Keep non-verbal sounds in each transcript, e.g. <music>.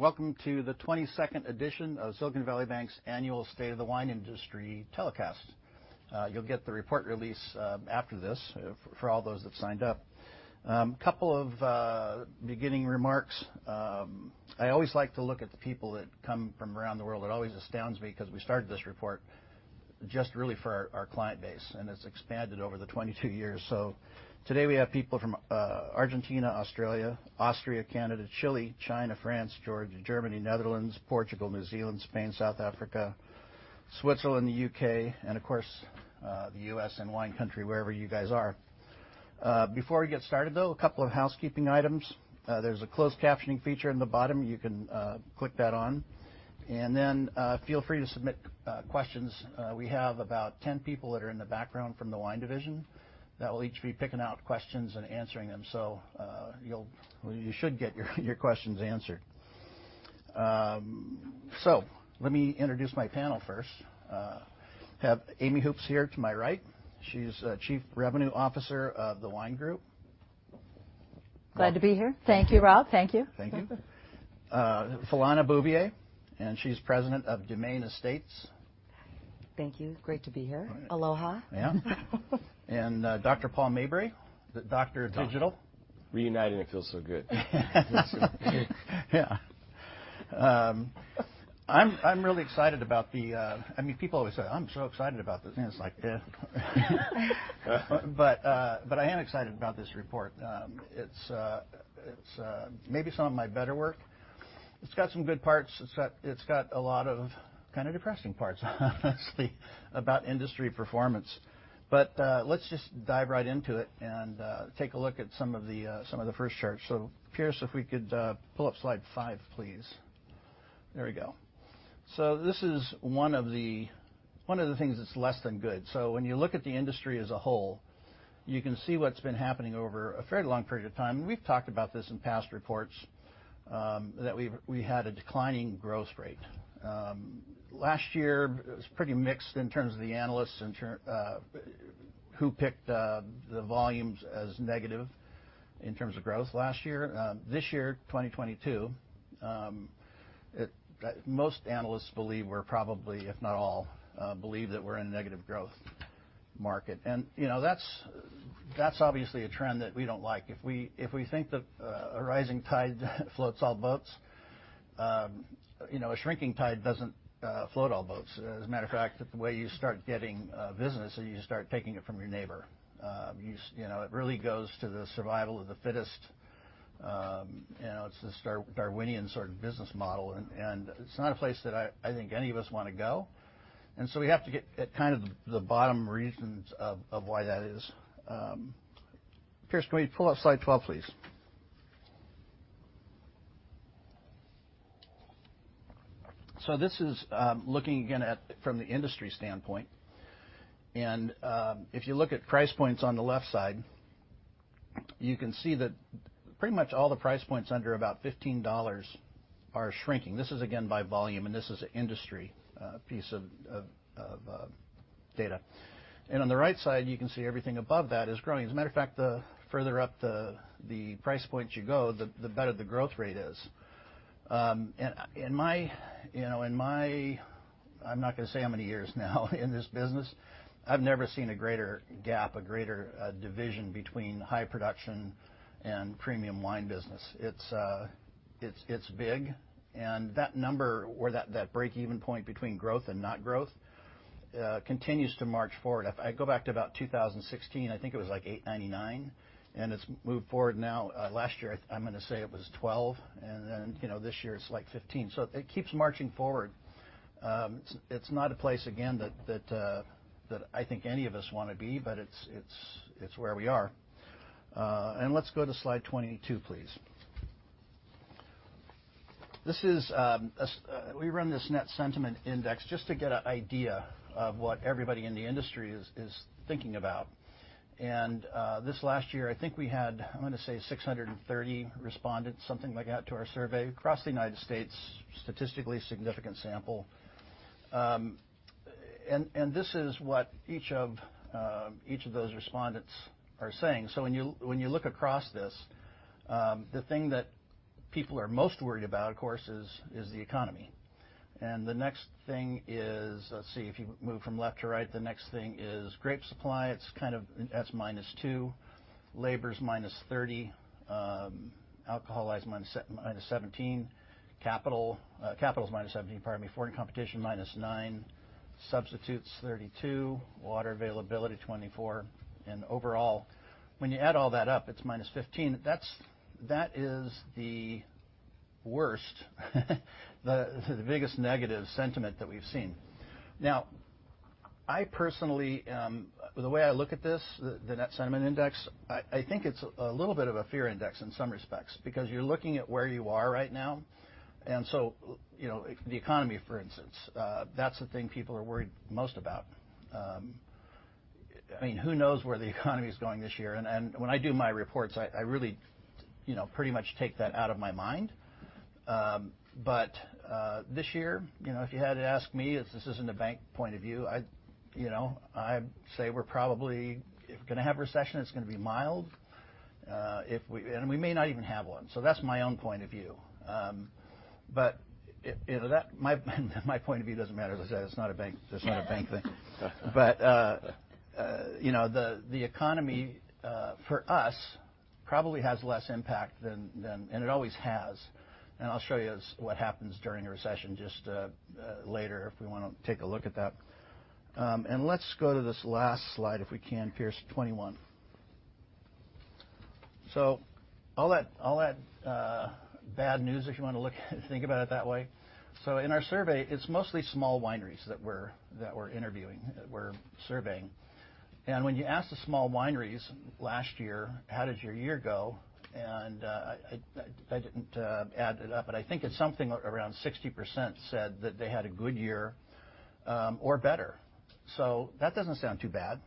Welcome to the 22nd edition of Silicon Valley Bank's annual State of the Wine Industry Telecast. You'll get the report release after this for all those that signed up. A couple of beginning remarks. I always like to look at the people that come from around the world it always astounds me because we started this report just really for our client base, and it's expanded over the 22 years. So today we have people from Argentina, Australia, Austria, Canada, Chile, China, France, Georgia, Germany, Netherlands, Portugal, New Zealand, Spain, South Africa, Switzerland, the UK, and of course the US and wine country, wherever you guys are. Before we get started, though, a couple of housekeeping items. There's a closed captioning feature in the bottom. You can click that on, and then feel free to submit questions. We have about 10 people that are in the background from the wine division that will each be picking out questions and answering them. So you should get your questions answered. So let me introduce my panel first. I have Amy Hoops here to my right. She's Chief Revenue Officer of The Wine Group. Glad to be here. Thank you, Rob. Thank you. Thank you. Philana Bouvier, and she's President of Demaine Estates. Thank you. Great to be here. Aloha. Yeah, and Dr. Paul Mabray, the Doctor of Digital. Reuniting, it feels so good. Yeah. I'm really excited about the—I mean, people always say, "I'm so excited about this." And it's like, but I am excited about this report. It's maybe some of my better work. It's got some good parts it's got a lot of kind of depressing parts, honestly, about industry performance. But let's just dive right into it and take a look at some of the first charts so Pierce, if we could pull up slide five, please. There we go. So this is one of the things that's less than good. So when you look at the industry as a whole, you can see what's been happening over a fairly long period of time and we've talked about this in past reports that we had a declining growth rate. Last year, it was pretty mixed in terms of the analysts who picked the volumes as negative in terms of growth last year. This year, 2022, most analysts believe we're probably, if not all, believe that we're in a negative growth market and that's obviously a trend that we don't like if we think that a rising tide floats all boats, a shrinking tide doesn't float all boats. As a matter of fact, the way you start getting business is you start taking it from your neighbor. It really goes to the survival of the fittest. It's this Darwinian sort of business model and it's not a place that I think any of us want to go. And so we have to get at kind of the bottom reasons of why that is. Pierce, can we pull up slide 12, please? So this is looking again from the industry standpoint. If you look at price points on the left side, you can see that pretty much all the price points under about $15 are shrinking this is again by volume, and this is an industry piece of data. On the right side, you can see everything above that is growing as a matter of fact, the further up the price points you go, the better the growth rate is. In my, I'm not going to say how many years now in this business. I've never seen a greater gap, a greater division between high production and premium wine business. It's big. That number, or that break-even point between growth and not growth, continues to march forward if I go back to about 2016, I think it was like $8.99. It's moved forward now last year, I'm going to say it was $12. And then this year, it's like $15 so it keeps marching forward. It's not a place, again, that I think any of us want to be, but it's where we are. And let's go to slide 22, please. We run this Net Sentiment Index just to get an idea of what everybody in the industry is thinking about. And this last year, I think we had, I'm going to say, 630 respondents, something like that, to our survey across the United States, statistically significant sample. And this is what each of those respondents are saying. So when you look across this, the thing that people are most worried about, of course, is the economy. And the next thing is, let's see, if you move from left to right, the next thing is grape supply it's kind of, that's minus 2. Labor's minus 30. Alcohol is minus 17. Capital's minus 17, pardon me. Foreign competition minus 9. Substitutes 32. Water availability 24. And overall, when you add all that up, it's minus 15 that is the worst, the biggest negative sentiment that we've seen. Now, I personally, the way I look at this, the Net Sentiment Index, I think it's a little bit of a fear index in some respects because you're looking at where you are right now. And so the economy, for instance, that's the thing people are worried most about. I mean, who knows where the economy is going this year? And when I do my reports, I really pretty much take that out of my mind. But this year, if you had to ask me, this isn't a bank point of view. I'd say we're probably going to have a recession it's going to be mild. And we may not even have one so that's my own point of view. But my point of view doesn't matter as i said, it's not a bank thing but the economy for us probably has less impact than, and it always has. And I'll show you what happens during a recession just later if we want to take a look at that. And let's go to this last slide, if we can, please, 21. So all that bad news, if you want to think about it that way. So in our survey, it's mostly small wineries that we're interviewing, that we're surveying. And when you asked the small wineries last year, how did your year go? And I didn't add it up, but I think it's something around 60% said that they had a good year or better. So that doesn't sound too bad.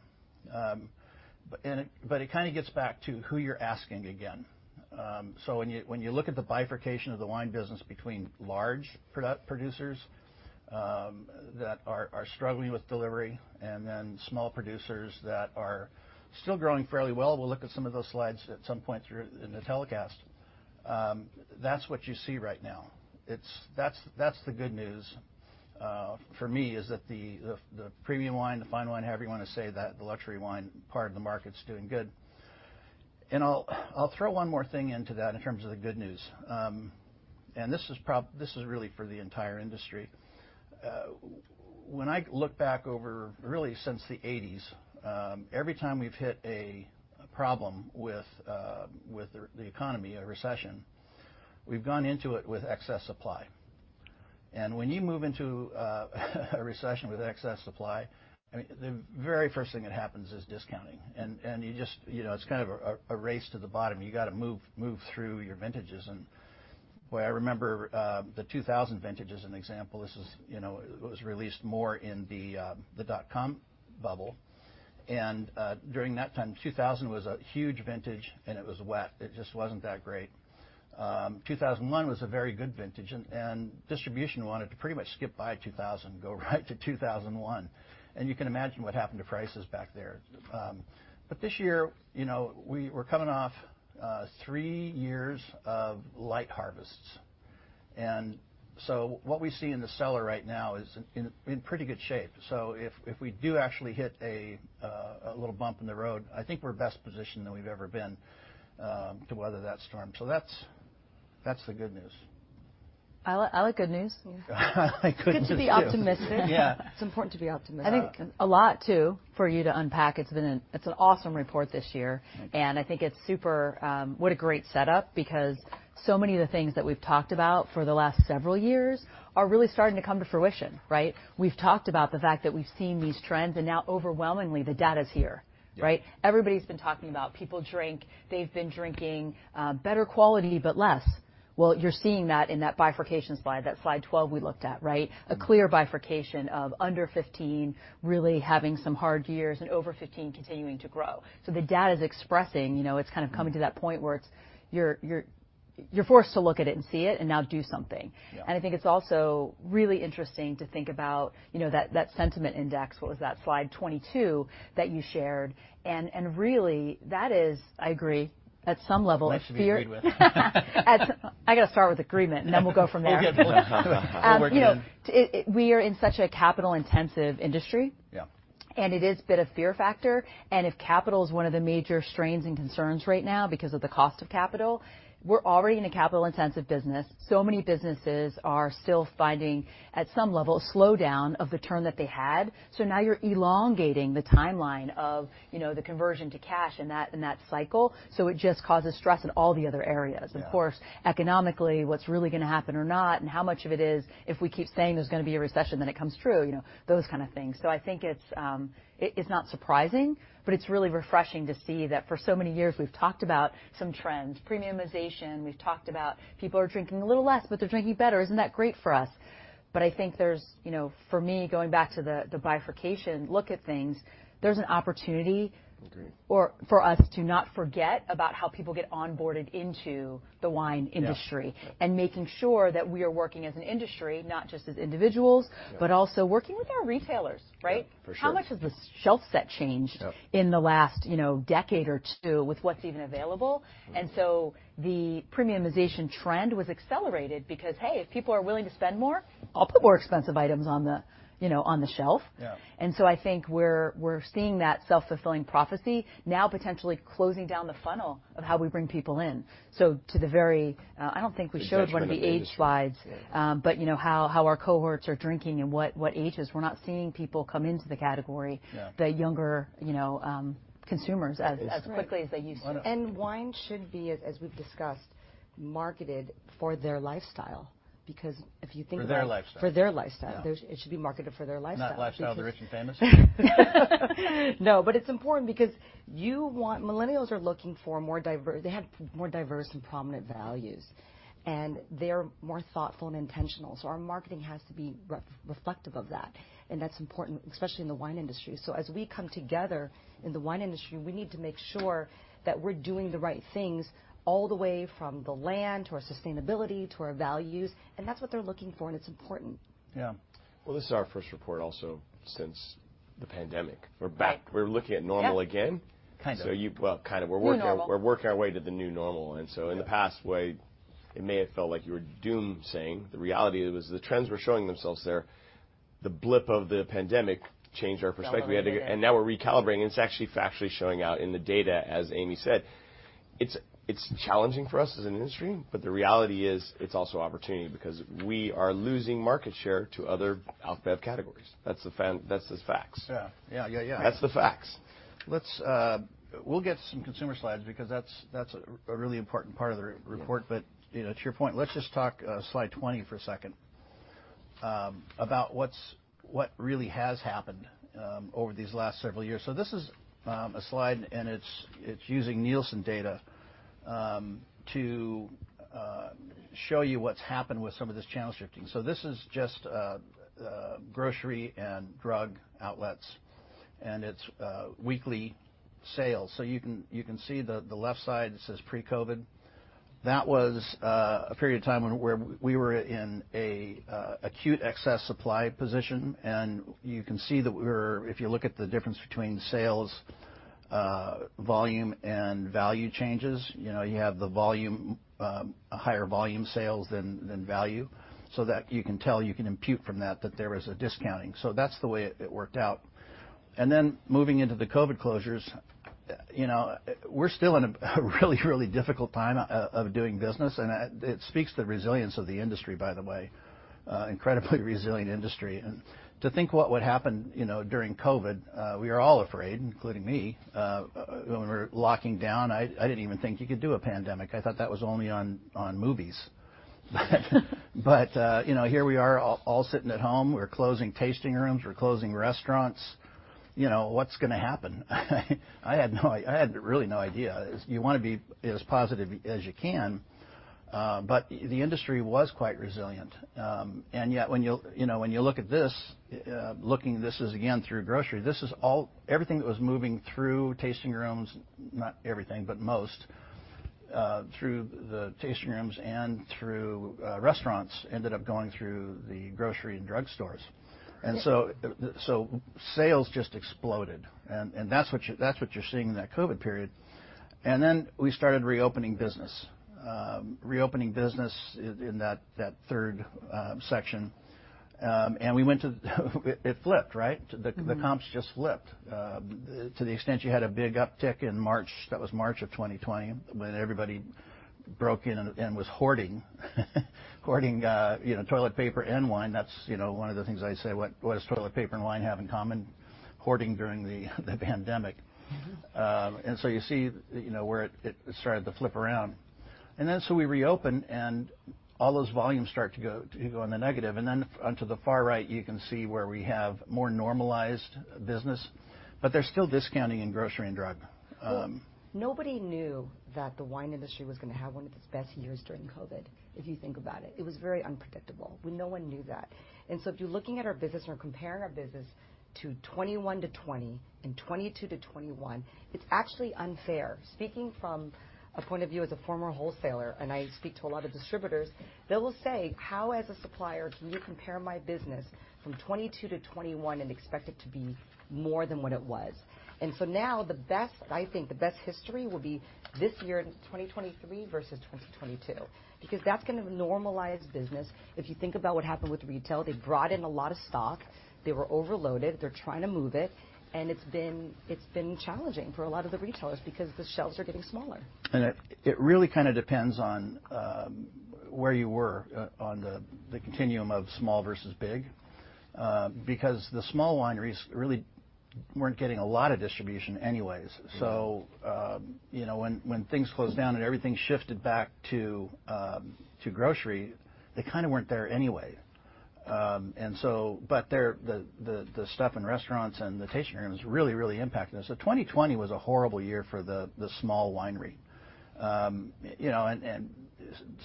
But it kind of gets back to who you're asking again. So when you look at the bifurcation of the wine business between large producers that are struggling with delivery and then small producers that are still growing fairly well, we'll look at some of those slides at some point in the telecast. That's what you see right now. That's the good news for me, is that the premium wine, the fine wine, however you want to say that, the luxury wine part of the market's doing good. And I'll throw one more thing into that in terms of the good news. And this is really for the entire industry. When I look back over really since the 1980s, every time we've hit a problem with the economy, a recession, we've gone into it with excess supply. And when you move into a recession with excess supply, the very first thing that happens is discounting and it's kind of a race to the bottom you got to move through your vintages. And boy, I remember the 2000 vintage as an example this was released more in the dot-com bubble. And during that time, 2000 was a huge vintage, and it was wet it just wasn't that great. 2001 was a very good vintage and distribution wanted to pretty much skip by 2000, go right to 2001. And you can imagine what happened to prices back there. But this year, we were coming off three years of light harvests. And so what we see in the cellar right now is in pretty good shape so if we do actually hit a little bump in the road, I think we're best positioned than we've ever been to weather that storm. So that's the good news. I like good news. I like good news. Good to be optimistic. Yeah. It's important to be optimistic. I think a lot too for you to unpack it's an awesome report this year. And I think it's super, what a great setup because so many of the things that we've talked about for the last several years? are really starting to come to fruition, right? We've talked about the fact that we've seen these trends, and now overwhelmingly, the data's here, right? Everybody's been talking about people drink. They've been drinking better quality, but less. Well, you're seeing that in that bifurcation slide, that slide 12 we looked at, right? A clear bifurcation of under 15 really having some hard years and over 15 continuing to grow. So the data's expressing it's kind of coming to that point where you're forced to look at it and see it and now do something. I think it's also really interesting to think about that sentiment index what was that, slide 22 that you shared, Really?, that is, I agree, at some level. That's what you agreed with. I got to start with agreement, and then we'll go from there. We'll get to that we're working on it. We are in such a capital-intensive industry, and it is a bit of a fear factor, and if capital is one of the major strains and concerns right now because of the cost of capital, we're already in a capital-intensive business, so many businesses are still finding, at some level, a slowdown of the turn that they had. So now you're elongating the timeline of the conversion to cash in that cycle. So it just causes stress in all the other areas of course, economically, what's really going to happen or not, and how much of it is if we keep saying there's going to be a recession, then it comes true, those kind of things so I think it's not surprising. But it's really refreshing to see that for so many years, we've talked about some trends, premiumization. We've talked about people are drinking a little less, but they're drinking better isn't that great for us? But I think there's, for me, going back to the bifurcation, look at things, there's an opportunity for us to not forget about how people get onboarded into the wine industry and making sure that we are working as an industry, not just as individuals, but also working with our retailers, right? For sure. How much has the shelf set changed in the last decade or two with what's even available? And so the premiumization trend was accelerated because, hey, if people are willing to spend more, I'll put more expensive items on the shelf. And so I think we're seeing that self-fulfilling prophecy, now potentially closing down the funnel of how we bring people in. So to the very—I don't think we showed one of the age slides, but how our cohorts are drinking and what ages we're not seeing people come into the category, the younger consumers, as quickly as they used to and wine should be, as we've discussed, marketed for their lifestyle because if you think about it. For their lifestyle. For their lifestyle it should be marketed for their lifestyle. Not lifestyle of the rich and famous. No, but it's important because you want, Millennials are looking for more diverse they have more diverse and prominent values, and they're more thoughtful and intentional, so our marketing has to be reflective of that, and that's important, especially in the wine industry, so as we come together in the wine industry, we need to make sure that we're doing the right things all the way from the land to our sustainability to our values, and that's what they're looking for, and it's important. Yeah. Well, this is our first report also since the pandemic. We're back. We're looking at normal again. Kind of. So you, well, kind of we're working our way to the new normal and so in the past, boy, it may have felt like you were doom-saying the reality was the trends were showing themselves there. The blip of the pandemic changed our perspective and now we're recalibrating and it's actually factually showing out in the data, as Amy said. It's challenging for us as an industry? but the reality is it's also opportunity because we are losing market share to other alphabet categories that's the facts. That's the facts. We'll get some consumer slides because that's a really important part of the report but to your point, let's just talk slide 20 for a second about what really has happened over these last several years so this is a slide, and it's using Nielsen data to show you what's happened with some of this channel shifting this is just grocery and drug outlets. And it's weekly sales you can see the left side; it says pre-COVID. That was a period of time where we were in an acute excess supply position. You can see that we're. If you look at the difference between sales, volume, and value changes, you have the higher volume sales than value. You can tell you can impute from that that there was a discounting that's the way it worked out. Then moving into the COVID closures, we're still in a really, really difficult time of doing business it speaks to the resilience of the industry, by the way. Incredibly resilient industry. To think what would happen during COVID, we are all afraid, including me. When we were locking down, I didn't even think you could do a pandemic i thought that was only on movies. But here we are all sitting at home we're closing tasting rooms we're closing restaurants. What's going to happen? I had really no idea you want to be as positive as you can. But the industry was quite resilient. And yet, when you look at this, again, through grocery, this is everything that was moving through tasting rooms, not everything, but most, through the tasting rooms and through restaurants ended up going through the grocery and drug stores. And so sales just exploded. And that's what you're seeing in that COVID period. And then we started reopening business in that third section. And we went to it flipped, right? The comps just flipped to the extent you had a big uptick in March that was March of 2020 when everybody broke in and was hoarding. Toilet paper and wine that's one of the things I say, what does toilet paper and wine have in common? Hoarding during the pandemic. And so you see where it started to flip around. And then so we reopened, and all those volumes start to go in the negative and then onto the far right, you can see where we have more normalized business. But there's still discounting in grocery and drug. Nobody knew that the wine industry was going to have one of its best years during COVID, if you think about it, It was very unpredictable no one knew that. And so if you're looking at our business or comparing our business to 2021-2020 and 2022-2021, it's actually unfair. Speaking from a point of view as a former wholesaler, and I speak to a lot of distributors, they will say, "How as a supplier, can you compare my business from 2022-2021 and expect it to be more than what it was?" And so now, I think the best history will be this year, 2023 versus 2022, because that's going to normalize business. If you think about what happened with retail, they brought in a lot of stock. They were overloaded they're trying to move it. It's been challenging for a lot of the retailers because the shelves are getting smaller. It really kind of depends on where you were on the continum of small versus big. Because the small wineries really weren't getting a lot of distribution anyways, so when things closed down and everything shifted back to grocery, they kind of weren't there anyway. But the stuff in restaurants and the tasting rooms really, really impacted us, so 2020 was a horrible year for the small winery. And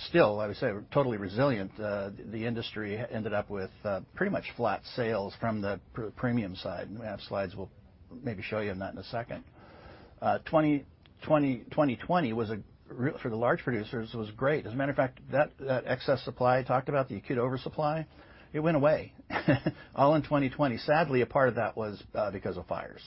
still, I would say, totally resilient, the industry ended up with pretty much flat sales from the premium side, and we have slides we'll maybe show you in that in a second. 2020 was, for the large producers, great as a matter of fact, that excess supply I talked about, the acute oversupply, it went away all in 2020 sadly, a part of that was because of fires.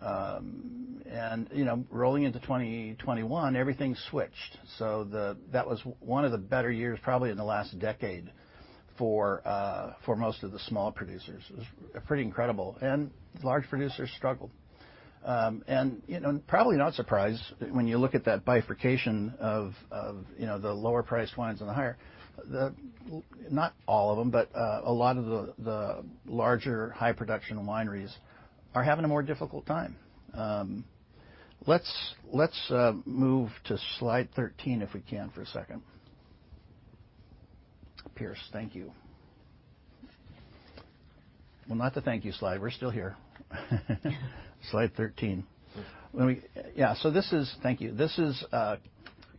And rolling into 2021, everything switched. So that was one of the better years, probably in the last decade, for most of the small producers. It was pretty incredible. And large producers struggled. And probably not surprised when you look at that bifurcation of the lower-priced wines and the higher. Not all of them, but a lot of the larger high-production wineries are having a more difficult time. Let's move to slide 13, if we can, for a second. Pierce, thank you. Well, not the thank you slide. We're still here. Slide 13. Yeah so this is, thank you. This is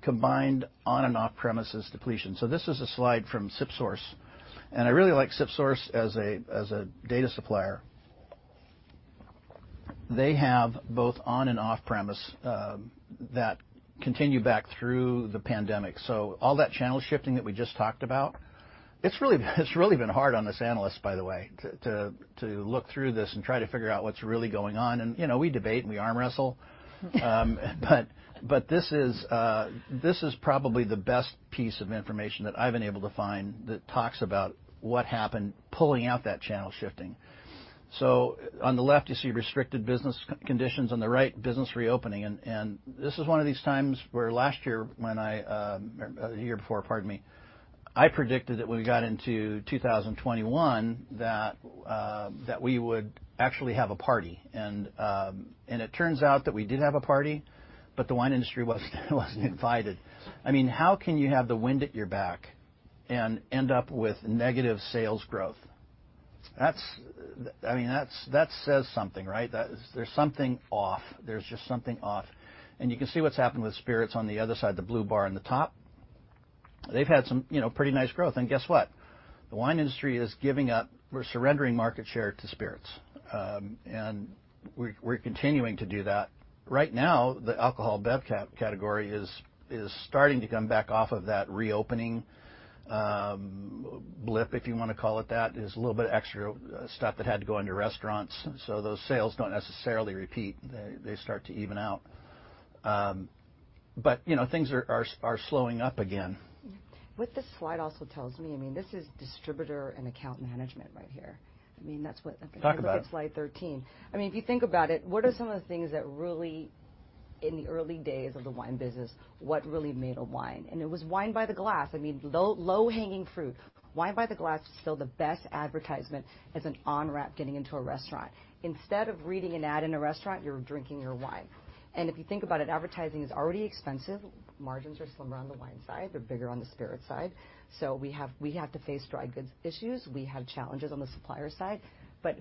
combined on- and off-premise depletion so this is a slide from SipSource. And I really like SipSource as a data supplier. They have both on- and off-premise that continue back through the pandemic so all that channel shifting that we just talked about. It's really been hard on us analysts, by the way, to look through this and try to figure out what's really going on and we debate and we arm wrestle. But this is probably the best piece of information that I've been able to find that talks about what happened pulling out that channel shifting. So on the left, you see restricted business conditions on the right, business reopening. And this is one of these times where last year, a year before, pardon me, I predicted that when we got into 2021 that we would actually have a party. And it turns out that we did have a party, but the wine industry wasn't invited. I mean, how can you have the wind at your back and end up with negative sales growth? I mean, that says something, right? There's something off. There's just something off. And you can see what's happened with spirits on the other side, the blue bar on the top. They've had some pretty nice growth and guess what? The wine industry is giving up. We're surrendering market share to spirits. And we're continuing to do that. Right now, the alcohol beverage category is starting to come back off of that reopening blip, if you want to call it that there's a little bit of extra stuff that had to go into restaurants so those sales don't necessarily repeat. They start to even out. But things are slowing up again. What this slide also tells me, I mean, this is distributor and account management right here. I mean, that's what I think about. Talk about it. Slide 13. I mean, if you think about it, what are some of the things that really? in the early days of the wine business, what really made a wine? It was wine by the glass i mean, low-hanging fruit. Wine by the glass was still the best advertisement as an on-ramp getting into a restaurant. Instead of reading an ad in a restaurant, you're drinking your wine. If you think about it, advertising is already expensive. Margins are slimmer on the wine side they're bigger on the spirit side. We have to face dry goods issues we have challenges on the supplier side.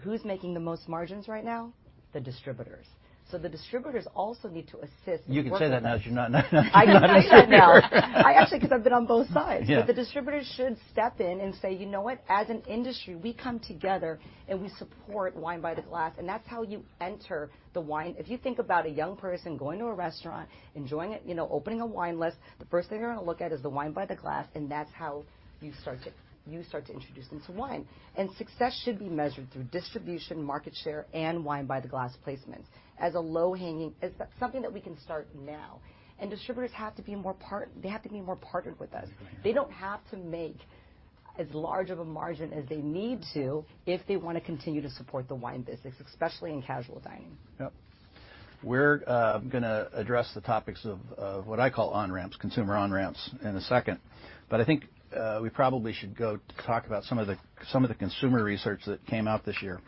Who's making the most margins right now? The distributors. The distributors also need to assist in the margins. You can say that now if you're not. I can say that now, actually, because I've been on both sides, but the distributors should step in and say, "You know what? As an industry, we come together and we support wine by the glass," and that's how you enter the wine if you think about a young person going to a restaurant, enjoying it, opening a wine list, the first thing they're going to look at is the wine by the glass, and that's how you start to introduce them to wine And success should be measured through distribution, market share, and wine by the glass placements as a low-hanging, it's something that we can start now, and distributors have to be more a part, they have to be more partnered with us. They don't have to make as large of a margin as they need to if they want to continue to support the wine business, especially in casual dining. Yep. We're going to address the topics of what I call on-ramps, consumer on-ramps, in a second. But I think we probably should go talk about some of the consumer research that came out this year.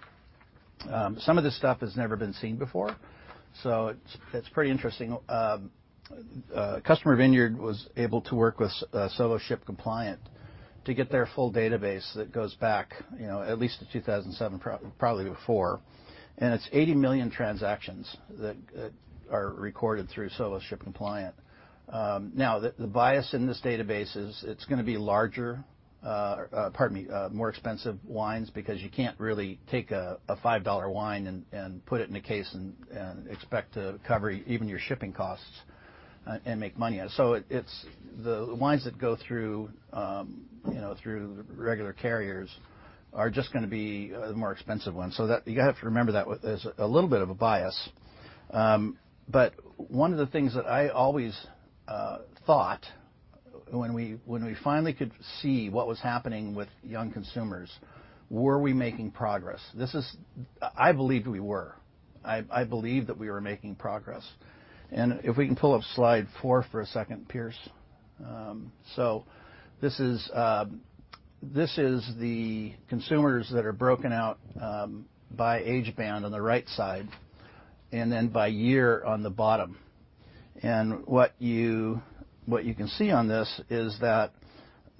Some of this stuff has never been seen before? So it's pretty interesting. Customer Vineyard was able to work with Sovos ShipCompliant to get their full database that goes back at least to 2007, probably before. And it's 80 million transactions that are recorded through Sovos ShipCompliant. Now, the bias in this database is it's going to be larger, pardon me, more expensive wines because you can't really take a $5 wine and put it in a case and expect to cover even your shipping costs and make money on it so the wines that go through regular carriers are just going to be the more expensive ones you have to remember that as a little bit of a bias. But one of the things that I always thought when we finally could see what was happening with young consumers, were we making progress? I believed we were. I believed that we were making progress. And if we can pull up slide four for a second, Pierce. So this is the consumers that are broken out by age band on the right side and then by year on the bottom. And what you can see on this is that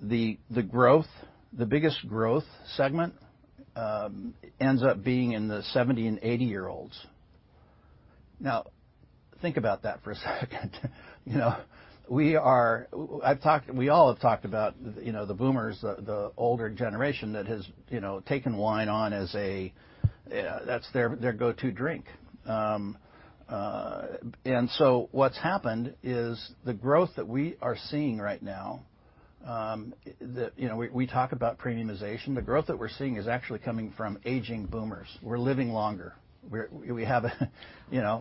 the biggest growth segment ends up being in the 70- and 80-year-olds. Now, think about that for a second. We all have talked about the Boomers, the older generation that has taken wine on as their go-to drink. And so what's happened is the growth that we are seeing right now, we talk about premiumization the growth that we're seeing is actually coming from aging Boomers we're living longer. We have a.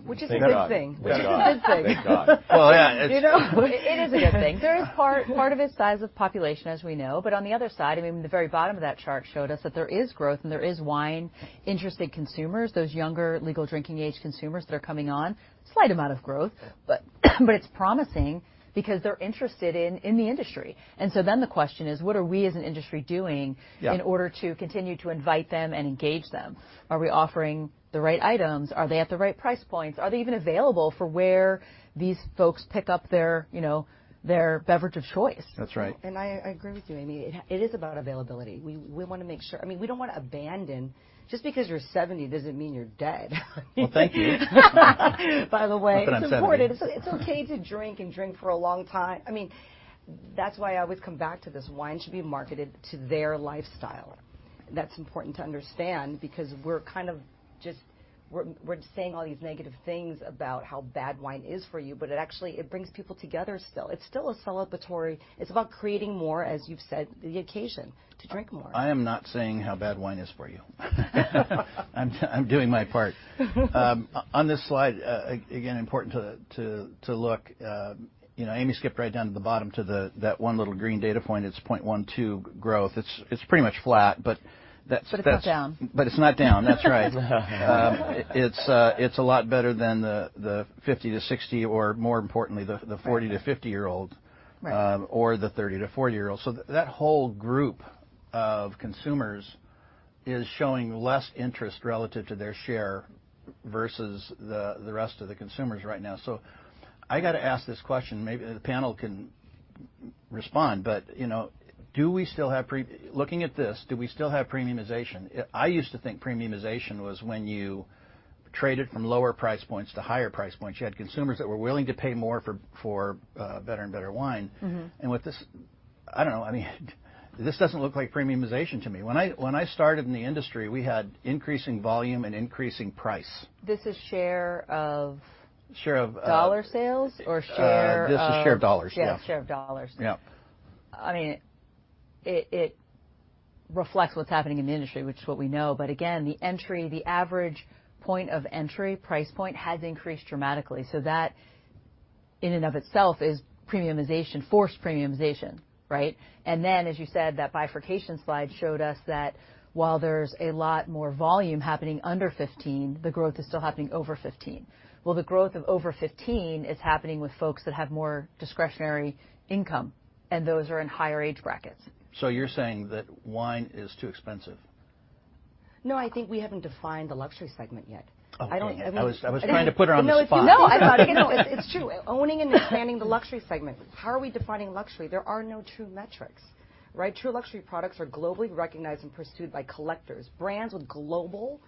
Which is a good thing. Which is a good thing. Thank God. Well, yeah. It is a good thing. There is part of its size of population, as we know, but on the other side, I mean, the very bottom of that chart showed us that there is growth and there is wine-interested consumers, those younger legal drinking age consumers that are coming on, slight amount of growth, but it's promising because they're interested in the industry, and so then the question is, what are we as an industry doing in order to continue to invite them and engage them? Are we offering the right items? Are they at the right price points? Are they even available for where these folks pick up their beverage of choice? That's right. And I agree with you, Amy. It is about availability. We want to make sure i mean, we don't want to abandon. Just because you're 70 doesn't mean you're dead. Well, thank you. By the way. But I'm 70. It's okay to drink and drink for a long time. I mean, that's why I always come back to this, Wine should be marketed to their lifestyle. That's important to understand because we're kind of just saying all these negative things about how bad wine is for you but it actually brings people together still, It's still a celebratory. It's about creating more, as you've said, the occasion to drink more. I am not saying how bad wine is for you. I'm doing my part. On this slide, again, important to look. Amy skipped right down to the bottom to that one little green data point it's 0.12% growth it's pretty much flat, but that's. But it's not down. It's not down that's right. It's a lot better than the 50-60 or, more importantly, the 40-50-year-old or the 30-40-year-old. So that whole group of consumers is showing less interest relative to their share versus the rest of the consumers right now. So I got to ask this question maybe the panel can respond. But do we still have, looking at this, do we still have premiumization? I used to think premiumization was when you traded from lower price points to higher price points you had consumers that were willing to pay more for better and better wine. And with this, I don't know. I mean, this doesn't look like premiumization to me when I started in the industry, we had increasing volume and increasing price. This is share of. Share of. Dollar sales? or share of. This is share of dollars, yes. Yeah, share of dollars. Yep. I mean, it reflects what's happening in the industry, which is what we know but again, the average point of entry price point has increased dramatically. So that, in and of itself, is premiumization, forced premiumization, right? And then, as you said, that bifurcation slide showed us that while there's a lot more volume happening under $15, the growth is still happening over $15. Well, the growth of over $15 is happening with folks that have more discretionary income, and those are in higher age brackets. So you're saying that wine is too expensive? No, I think we haven't defined the luxury segment yet. Oh, okay i was trying to put it on the spot. No, it's true. Owning and expanding the luxury segment. How are we defining luxury? There are no true metrics, right? True luxury products are globally recognized and pursued by collectors, brands with global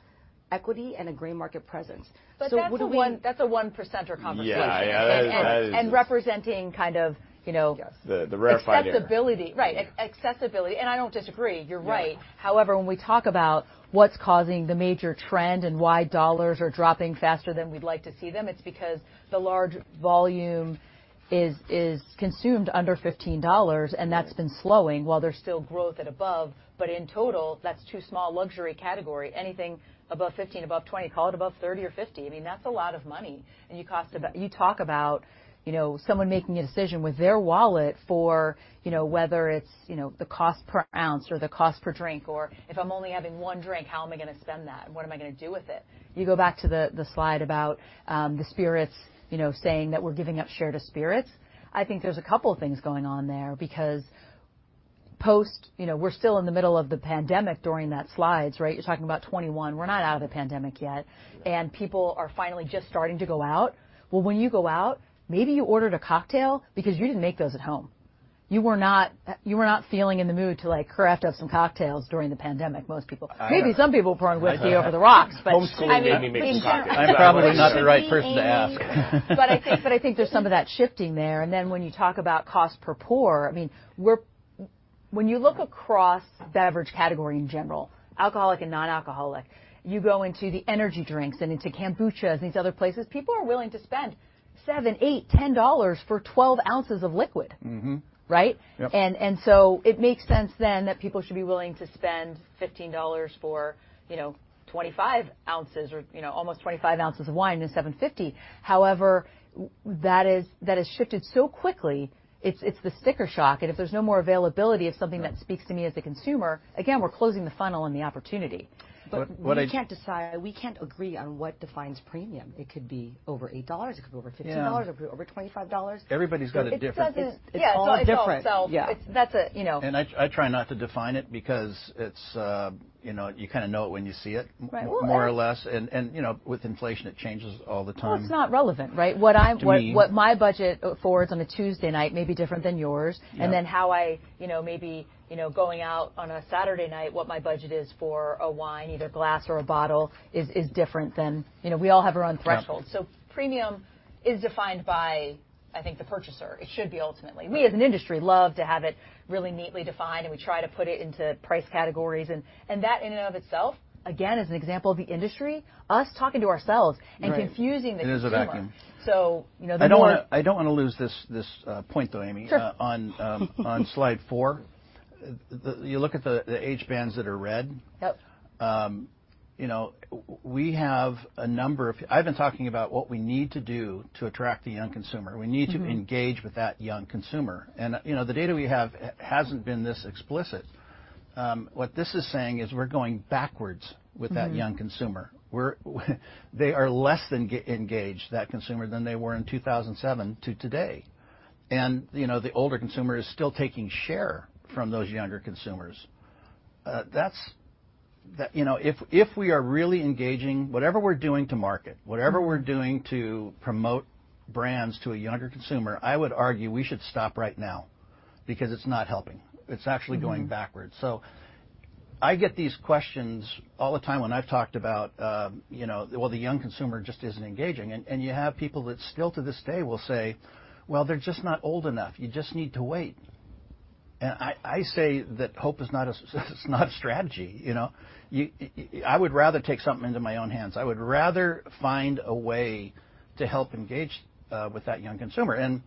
equity and a gray market presence. [crosstalks] So do we. But that's a 1%er conversation. Yeah, yeah. That is. Representing kind of. The rare finding. Accessibility right. Accessibility and I don't disagree. You're right. However, when we talk about what's causing the major trend and why dollars are dropping faster than we'd like to see them, it's because the large volume is consumed under $15, and that's been slowing while there's still growth at above. But in total, that's too small luxury category. Anything above $15, above $20, call it above $30 or $50 i mean, that's a lot of money. And you talk about someone making a decision with their wallet for whether it's the cost per ounce or the cost per drink, or if I'm only having one drink, how am I going to spend that? What am I going to do with it? You go back to the slide about the spirits saying that we're giving up share to spirits. I think there's a couple of things going on there because post, we're still in the middle of the pandemic during that slide, right? You're talking about 2021 we're not out of the pandemic yet, and people are finally just starting to go out. Well, when you go out, maybe you ordered a cocktail because you didn't make those at home. You were not feeling in the mood to craft up some cocktails during the pandemic, most people maybe some people were on whiskey on the rocks, but. Old school, Amy maybe you're not. I'm probably not the right person to ask. But I think there's some of that shifting there and then when you talk about cost per pour, I mean, when you look across beverage category in general, alcoholic and non-alcoholic, you go into the energy drinks and into kombuchas and these other places, people are willing to spend seven, eight, 10 dollars for 12 ounces of liquid, right? And so it makes sense then that people should be willing to spend $15 for 25oz or almost 2oz of wine instead of 50. However, that has shifted so quickly. It's the sticker shock and if there's no more availability of something that speaks to me as a consumer, again, we're closing the funnel and the opportunity. But we can't decide we can't agree on what defines premium. It could be over $8. It could be over $15, over $25. Everybody's got a different. It's all different. Yeah. That's a. And I try not to define it because you kind of know it when you see it, more or less. And with inflation, it changes all the time. Well, it's not relevant, right? What my budget affords on a Tuesday night may be different than yours. And then how I may be going out on a Saturday night, what my budget is for a wine, either glass or a bottle, is different than we all have our own thresholds. So premium is defined by, I think, the purchaser it should be ultimately we, as an industry, love to have it really neatly defined, and we try to put it into price categories. And that, in and of itself, again, is an example of the industry, us talking to ourselves and confusing the consumer. There's a vacuum. So the. I don't want to lose this point though, Amy. Sure. On slide four, you look at the age bands that are red. We have a number of i've been talking about what we need to do to attract the young consumer. We need to engage with that young consumer, and the data we have hasn't been this explicit. What this is saying is we're going backwards with that young consumer. They are less engaged, that consumer, than they were in 2007 to today, and the older consumer is still taking share from those younger consumers. If we are really engaging, whatever we're doing to market, whatever we're doing to promote brands to a younger consumer, I would argue we should stop right now. Because it's not helping. It's actually going backwards, so I get these questions all the time when I've talked about, well, the young consumer just isn't engaging and you have people that still to this day will say, "Well, they're just not old enough you just need to wait." And I say that hope is not a strategy. I would rather take something into my own hands i would rather find a way to help engage with that young consumer. And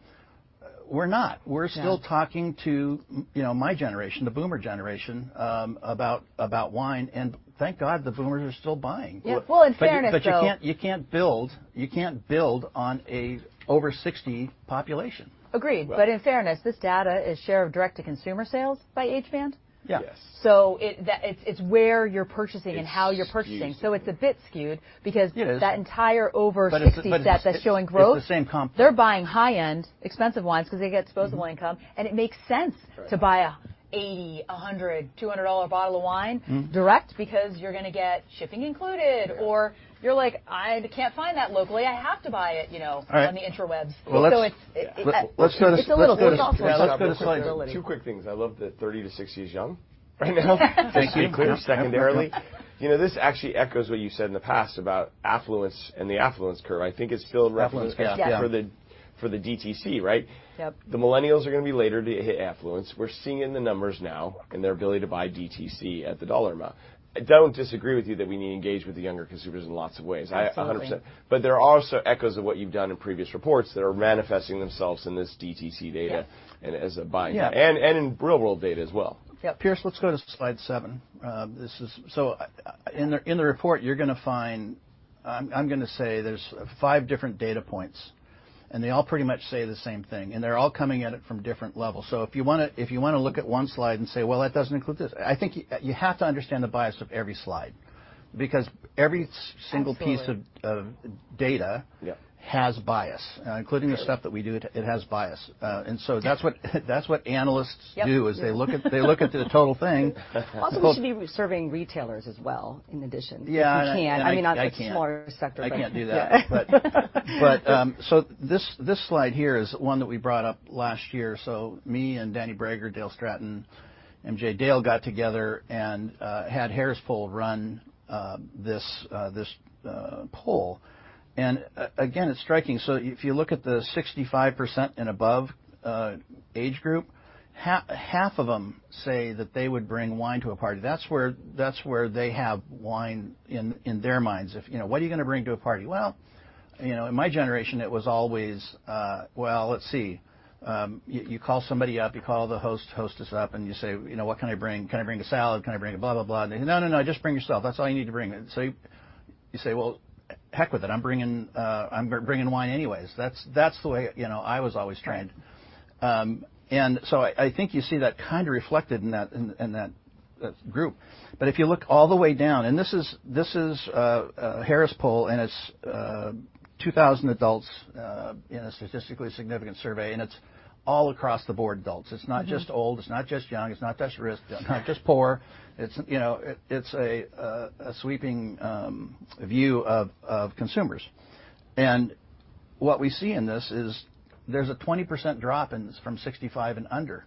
we're not. We're still talking to my generation, the boomer generation, about wine and thank God the boomers are still buying. Yeah, well, in fairness. But you can't build on an over-60 population. Agreed. But in fairness, this data is share of direct-to-consumer sales by age band? Yes. So it's where you're purchasing and how you're purchasing so it's a bit skewed because that entire over 60 set that's showing growth. But it's the same comp. They're buying high-end, expensive wines because they get disposable income, and it makes sense to buy an $80, $100, $200 bottle of wine direct because you're going to get shipping included, or you're like, "I can't find that locally i have to buy it on the intra-webs," so it's a little skewed. Let's go to slide two. <crosstalk> Let's go to slide two. Two quick things. I love that 30 to 60 is young right now. Thank you. Secondarily. This actually echoes what you said in the past about affluence and the affluence curve. I think it's still reference gap for the DTC, right? The Millennials are going to be later to hit affluence we're seeing it in the numbers now and their ability to buy DTC at the dollar amount. I don't disagree with you that we need to engage with the younger consumers in lots of ways. Absolutely. 100%. But there are also echoes of what you've done in previous reports that are manifesting themselves in this DTC data and as a buying and in real-world data as well. Yeah. Pierce, let's go to slide seven. So in the report, you're going to find. I'm going to say there's five different data points. And they all pretty much say the same thing and they're all coming at it from different levels so if you want to look at one slide and say, "Well, that doesn't include this," I think you have to understand the bias of every slide. because every single piece of data has bias. Including the stuff that we do, it has bias. And so that's what analysts do is they look at the total thing. Also, we should be serving retailers as well in addition. Yeah, I can't. I mean, not the smaller sector, but. I can't do that. But so this slide here is one that we brought up last year so me and Danny Brager, Dale Stratton, MJ Dale got together and had Harris Poll run this poll. And again, it's striking so if you look at the 65 and above age group, half of them say that they would bring wine to a party that's where they have wine in their minds what are you going to bring to a party? Well? In my generation, it was always, "Well, let's see." You call somebody up you call the host, hostess up and you say, "What can I bring? Can I bring a salad? Can I bring a blah, blah, blah?" And they say, "No, no, no. Just bring yoursel that's all you need to bring." So you say, "Well, heck with it. I'm bringing wine anyways." That's the way I was always trained. And so I think you see that kind of reflected in that group. But if you look all the way down, and this is Harris Poll, and it's 2,000 adults in a statistically significant survey, and it's all across the board adults it's not just old, It's not just young, It's not just rich, It's not just poor. It's a sweeping view of consumers. And what we see in this is there's a 20% drop from 65 and under.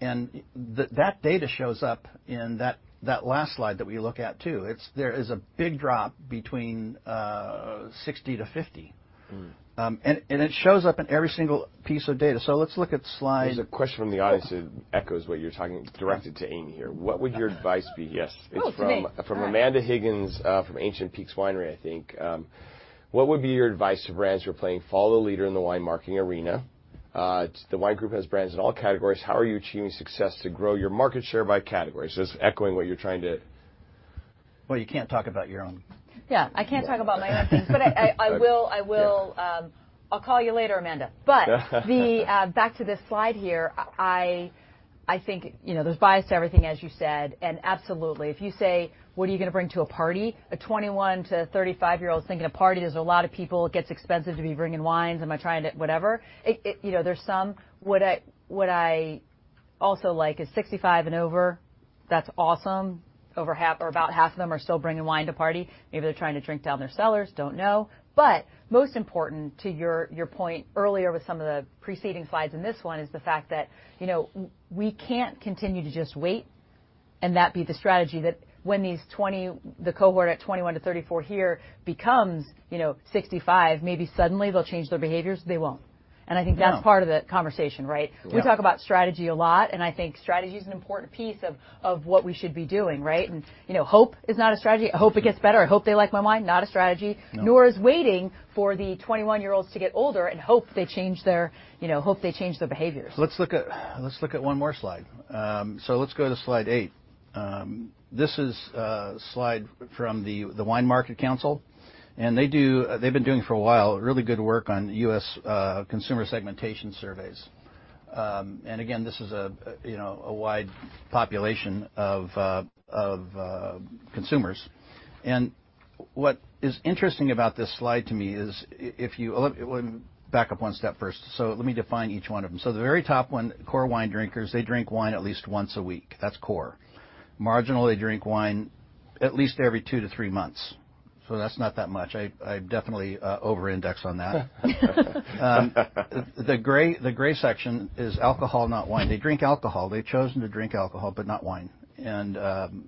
And that data shows up in that last slide that we look at too. There is a big drop between 60-50. And it shows up in every single piece of data. So let's look at slide. There's a question from the audience that echoes what you're talking about, directed to Amy here. What would your advice be? It's from Amanda Higgins from Ancient Peaks Winery, I think. What would be your advice to brands who are playing follow the leader in the wine marketing arena? The Wine Group has brands in all categories. How are you achieving success to grow your market share by categories? Just echoing what you're trying to. Well, you can't talk about your own. Yeah. I can't talk about my own things. But I will. I'll call you later, Amanda. But back to this slide here. I think there's bias to everything, as you said and absolutely if you say, "What are you going to bring to a party?" A 21- to 35-year-old is thinking a party there's a lot of people it gets expensive to be bringing wines am I trying to whatever? There's some. What I also like is 65 and over. That's awesome. Over half or about half of them are still bringing wine to party. Maybe they're trying to drink down their cellars don't know. But most important to your point earlier with some of the preceding slides in this one is the fact that we can't continue to just wait and that be the strategy that when the cohort at 21 to 34 here becomes 65, maybe suddenly they'll change their behaviors they won't. And I think that's part of the conversation, right? We talk about strategy a lot and I think strategy is an important piece of what we should be doing, right? And hope is not a strategy i hope it gets better i hope they like my wine not a strategy. Nor is waiting for the 21-year-olds to get older and hope they change their behaviors. Let's look at one more slide. Let's go to slide eight. This is a slide from the Wine Market Council. They've been doing for a while really good work on U.S. consumer segmentation surveys. Again, this is a wide population of consumers. What is interesting about this slide to me is if you back up one step first. Let me define each one of them the very top one, core wine drinkers, they drink wine at least once a week. That's core. Marginal, they drink wine at least every two to three months. That's not that much i definitely over-index on that. The gray section is alcohol, not wine they drink alcohol they've chosen to drink alcohol, but not wine. They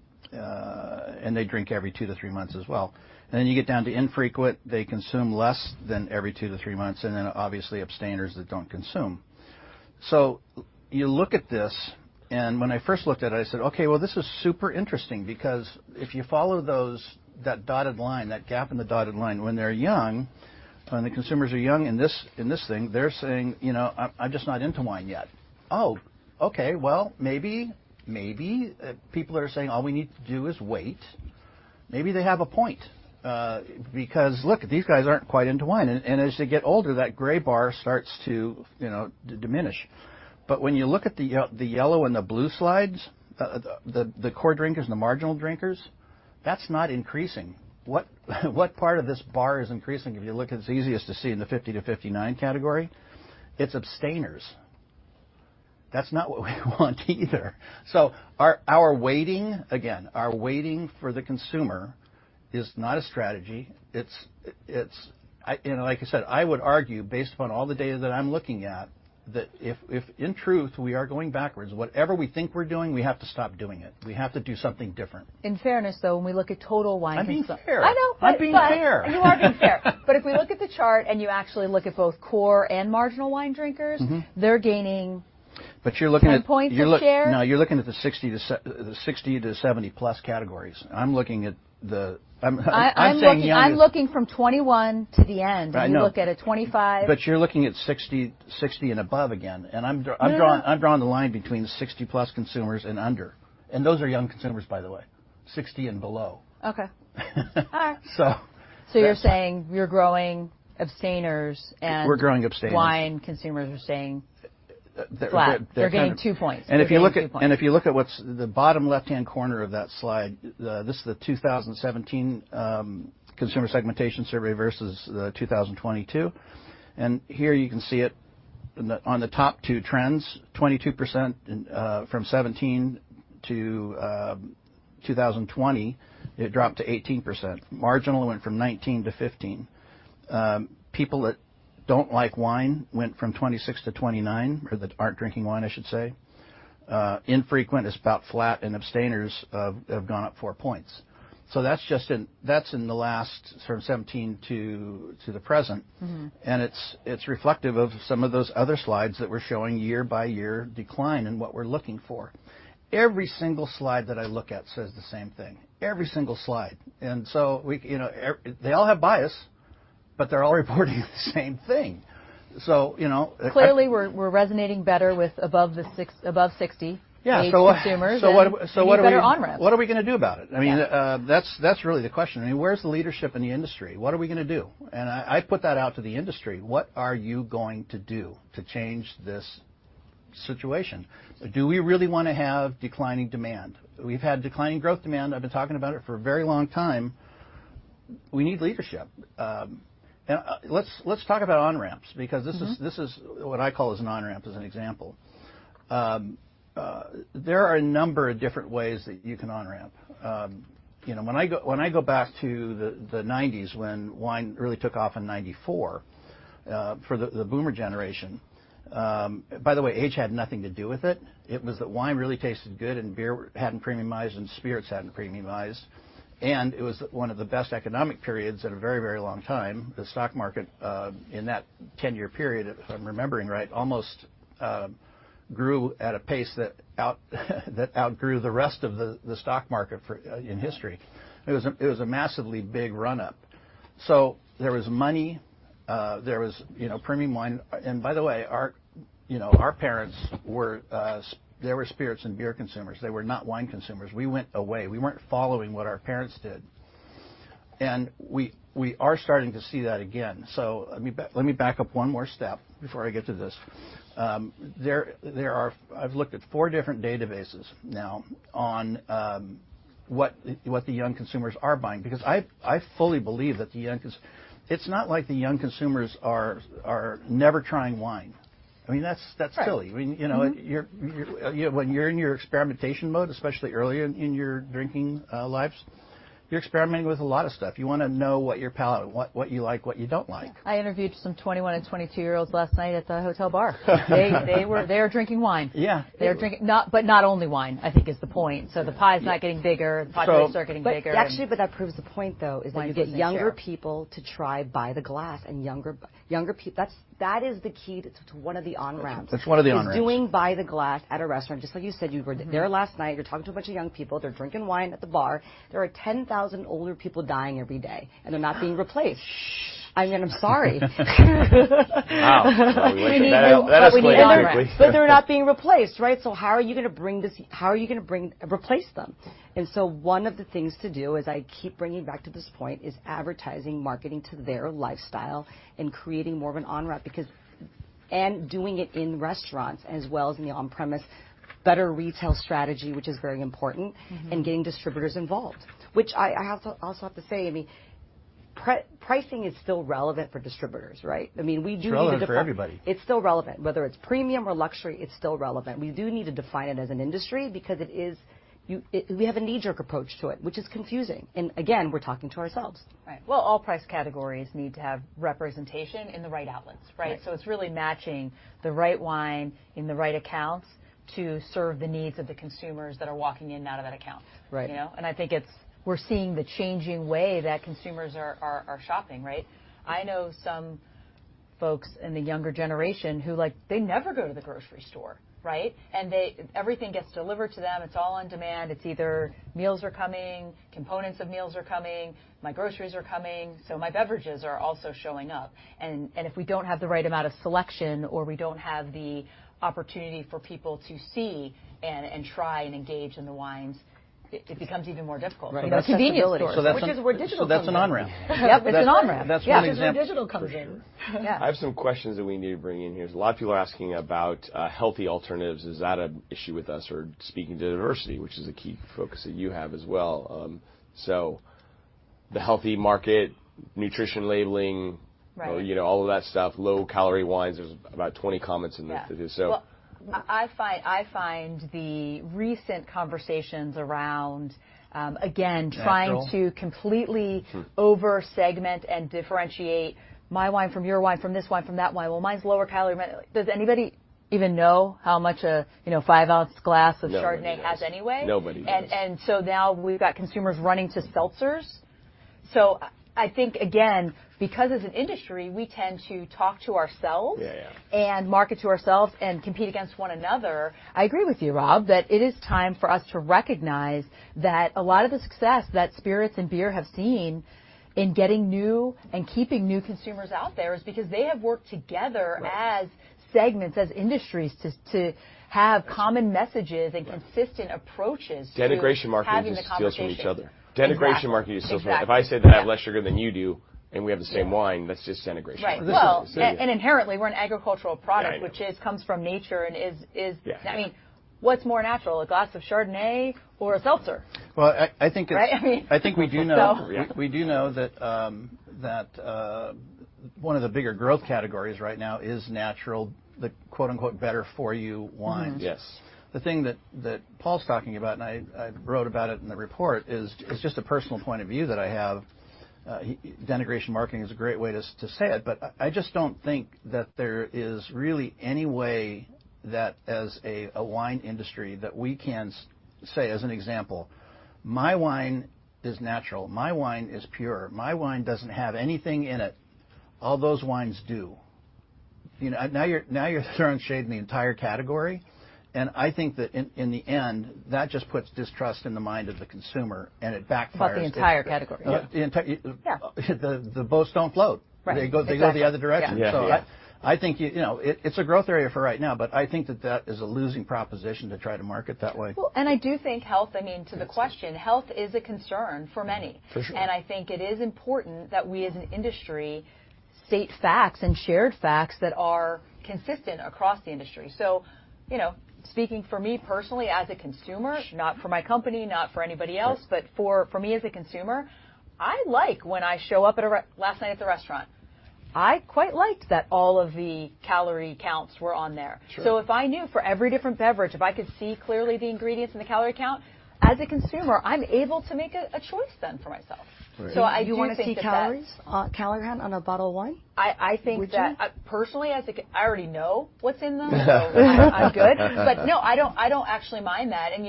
drink every two to three months as well. Then you get down to infrequent. They consume less than every two to three monthsnd then obviously abstainers that don't consume. So you look at this. And when I first looked at it, I said, "Okay, well, this is super interesting because if you follow that dotted line, that gap in the dotted line, when they're young, when the consumers are young in this thing, they're saying, 'I'm just not into wine yet.'" Oh, okay. Well, maybe people are saying, "All we need to do is wait." Maybe they have a point. Because, look, these guys aren't quite into wine. And as they get older, that gray bar starts to diminish. But when you look at the yellow and the blue slides, the core drinkers, the marginal drinkers, that's not increasing. What part of this bar is increasing if you look at it? It's easiest to see in the 50-59 category. It's abstainers. That's not what we want either, so our waiting, again, our waiting for the consumer is not a strategy, and like I said, I would argue, based upon all the data that I'm looking at, that if in truth we are going backwards, whatever we think we're doing, we have to stop doing it we have to do something different. In fairness though, when we look at total wine consumption. I'm being fair. I know. I'm being fair. You are being fair but if we look at the chart and you actually look at both core and marginal wine drinkers, they're gaining good points and share. But you're looking at the 60-70+ categories. I'm looking at the I'm saying young. I'm looking from 21 to the end. I know. When you look at a 25. But you're looking at 60 and above again. And I'm drawing the line between the 60 plus consumers and under. And those are young consumers, by the way. 60 and below. Okay. All right. So you're saying you're growing abstainers and. We're growing abstainers. Wine consumers are staying flat. They're getting two points. And if you look at the bottom left-hand corner of that slide, this is the 2017 consumer segmentation survey versus 2022. And here you can see it on the top two trends. 22% from 2017 to 2020, it dropped to 18%. Marginal went from 19%-15%. People that don't like wine went from 26%-29%, or that aren't drinking wine, I should say. Infrequent is about flat, and abstainers have gone up four points. So that's in the last from 2017 to the present. And it's reflective of some of those other slides that we're showing year-by-year decline in what we're looking for. Every single slide that I look at says the same thing. Every single slide. And so they all have bias, but they're all reporting the same thing. So. Clearly, we're resonating better with above 60 age consumers. Yeah, so what are we? It's a better on-ramp. What are we going to do about it? I mean, that's really the question i mean, where's the leadership in the industry? What are we going to do? And I put that out to the industry. What are you going to do to change this situation? Do we really want to have declining demand? We've had declining growth demand. I've been talking about it for a very long time. We need leadership. And let's talk about on-ramps because this is what I call an on-ramp as an example. There are a number of different ways that you can on-ramp. When I go back to the 1990s when wine really took off in 1994 for the boomer generation, by the way, age had nothing to do with it. It was that wine really tasted good, and beer hadn't premiumized, and spirits hadn't premiumized. It was one of the best economic periods in a very, very long time. The stock market in that 10-year period, if I'm remembering right, almost grew at a pace that outgrew the rest of the stock market in history. It was a massively big run-up. So there was money. There was premium wine and by the way, our parents, they were spirits and beer consumers they were not wine consumers we went away we weren't following what our parents did. And we are starting to see that again. So let me back up one more step before I get to this. I've looked at four different databases now on what the young consumers are buying because I fully believe that the young, it's not like the young consumers are never trying wine. I mean, that's silly. When you're in your experimentation mode, especially early in your drinking lives, you're experimenting with a lot of stuff you want to know what you like, what you don't like. I interviewed some 21- and 22-year-olds last night at the hotel bar. They are drinking wine. Yeah. But not only wine, I think, is the point. So the pie is not getting bigger. The potatoes are getting bigger. But actually, what that proves the point, though, is that you get younger people to try by the glass and younger people, that is the key to one of the on-ramps. That's one of the on-ramps. It's doing by the glass at a restaurant just like you said, you were there last night you're talking to a bunch of young people they're drinking wine at the bar. There are 10,000 older people dying every day, and they're not being replaced. I mean, I'm sorry. <crosstalk> Wow. We need that. We need that. That is phenomenal. But they're not being replaced, right? So how are you going to bring this? How are you going to replace them? And so one of the things to do, as I keep bringing back to this point, is advertising, marketing to their lifestyle and creating more of an on-ramp and doing it in restaurants as well as in the on-premise, better retail strategy, which is very important, and getting distributors involved. Which I also have to say, I mean, pricing is still relevant for distributors, right? I mean, we do need to define. Relevant for everybody. It's still relevant whether it's premium or luxury, it's still relevant we do need to define it as an industry because we have a knee-jerk approach to it, which is confusing, and again, we're talking to ourselves. Right, well, all price categories need to have representation in the right outlets, right, so it's really matching the right wine in the right accounts to serve the needs of the consumers that are walking in and out of that account. Right. And I think we're seeing the changing way that consumers are shopping, right? I know some folks in the younger generation who they never go to the grocery store, right? And everything gets delivered to them. It's all on demand. It's either meals are coming, components of meals are coming, my groceries are coming so my beverages are also showing up. And if we don't have the right amount of selection or we don't have the opportunity for people to see and try and engage in the wines, it becomes even more difficult. Right. The convenience stores, which is where digital comes in. So that's an on-ramp. Yep. It's an on-ramp. That's one example. That's where digital comes in. I have some questions that we need to bring in here a lot of people are asking about healthy alternative Is that an issue with us or speaking to diversity, which is a key focus that you have as well? So the healthy market, nutrition labeling, all of that stuff, low-calorie wines there's about 20 comments in that. I find the recent conversations around? again, trying to completely over-segment and differentiate my wine from your wine from this wine from that wine well, mine's lower-calorie. Does anybody even know how much a five-ounce glass of Chardonnay has anyway? Nobody. Now we've got consumers running to seltzers? I think, again, because as an industry, we tend to talk to ourselves? and market to ourselves and compete against one another. I agree with you, Rob, that it is time for us to recognize that a lot of the success that spirits and beer have seen in getting new and keeping new consumers out there is because they have worked together as segments, as industries to have common messages and consistent approaches to having the conversation. Denigration market steals from each other if I say that I have less sugar than you do and we have the same wine, that's just denigration. Right well, and inherently, we're an agricultural product, which comes from nature and is, I mean, what's more natural, a glass of Chardonnay? or a seltzer? I think it's. Right? I mean. I think we do know that one of the bigger growth categories right now is natural, the "better for you" wines. Yes. The thing that Paul's talking about, and I wrote about it in the report, is just a personal point of view that I have. Denigration marketing is a great way to say it. But I just don't think that there is really any way that as a wine industry that we can say, as an example, "My wine is natural. My wine is pure. My wine doesn't have anything in it. All those wines do." Now you're throwing shade in the entire category. And I think that in the end, that just puts distrust in the mind of the consumer, and it backfires. About the entire category. The boats don't float. They go the other direction. So I think it's a growth area for right now, but I think that that is a losing proposition to try to market that way. And I do think health, I mean, to the question, health is a concern for many. For sure. And I think it is important that we as an industry state facts and shared facts that are consistent across the industry. So speaking for me personally as a consumer, not for my company, not for anybody else, but for me as a consumer. I like when I show up last night at the restaurant. I quite liked that all of the calorie counts were on there so if I knew for every different beverage, if I could see clearly the ingredients and the calorie count, as a consumer, I'm able to make a choice then for myself. So I do want to think that. Do you want to see calories on a bottle of wine? I think that personally, I already know what's in them, so I'm good. But no, I don't actually mind that and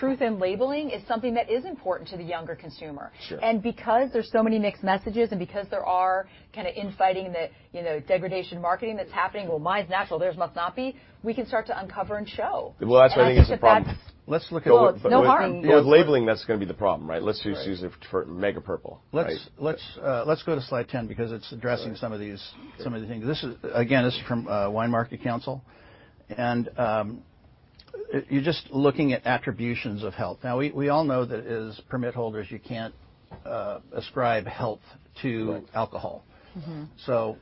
truth in labeling is something that is important to the younger consumer. And because there's so many mixed messages and because there are kind of infighting that degrading marketing that's happening, well, mine's natural, theirs must not be, we can start to uncover and show. That's why I think it's a problem. I think that's. Let's look at. Well, no harm. With labeling, that's going to be the problem, right? Let's just use it for Mega Purple. Let's go to slide 10 because it's addressing some of these things. Again, this is from Wine Market Council, and you're just looking at attributions of health. Now, we all know that as permit holders, you can't ascribe health to alcohol.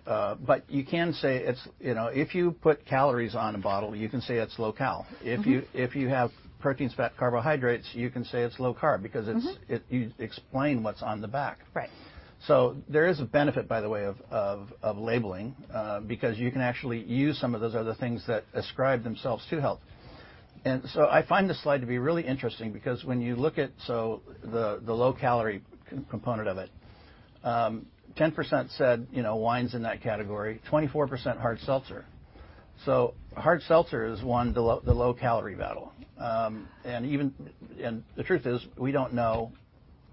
But you can say if you put calories on a bottle, you can say it's low cal. If you have proteins, fat, carbohydrates, you can say it's low carb because you explain what's on the back. So there is a benefit, by the way, of labeling. Because you can actually use some of those other things that ascribe themselves to health, and so I find this slide to be really interesting because when you look at the low-calorie component of it, 10% said wines in that category, 24% hard seltzer. So hard seltzer's won the low-calorie battle. The truth is we don't know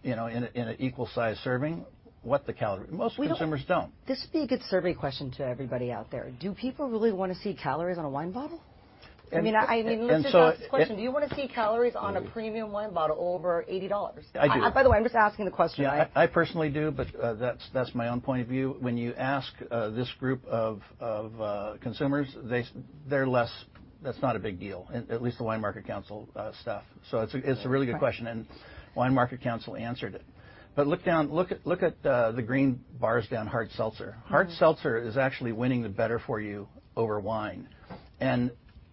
in an equal-sized serving what the calories most consumers don't. This would be a good survey question to everybody out there. Do people really want to see calories on a wine bottle? I mean, let's just ask this question, Do you want to see calories on a premium wine bottle over $80? I do. By the way, I'm just asking the question. I personally do, but that's my own point of view. When you ask this group of consumers, they're less, that's not a big deal, at least the Wine Market Council stuff. So it's a really good question. And Wine Market Council answered it. But look at the green bars down hard seltzer. Hard seltzer is actually winning the better for you over wine. And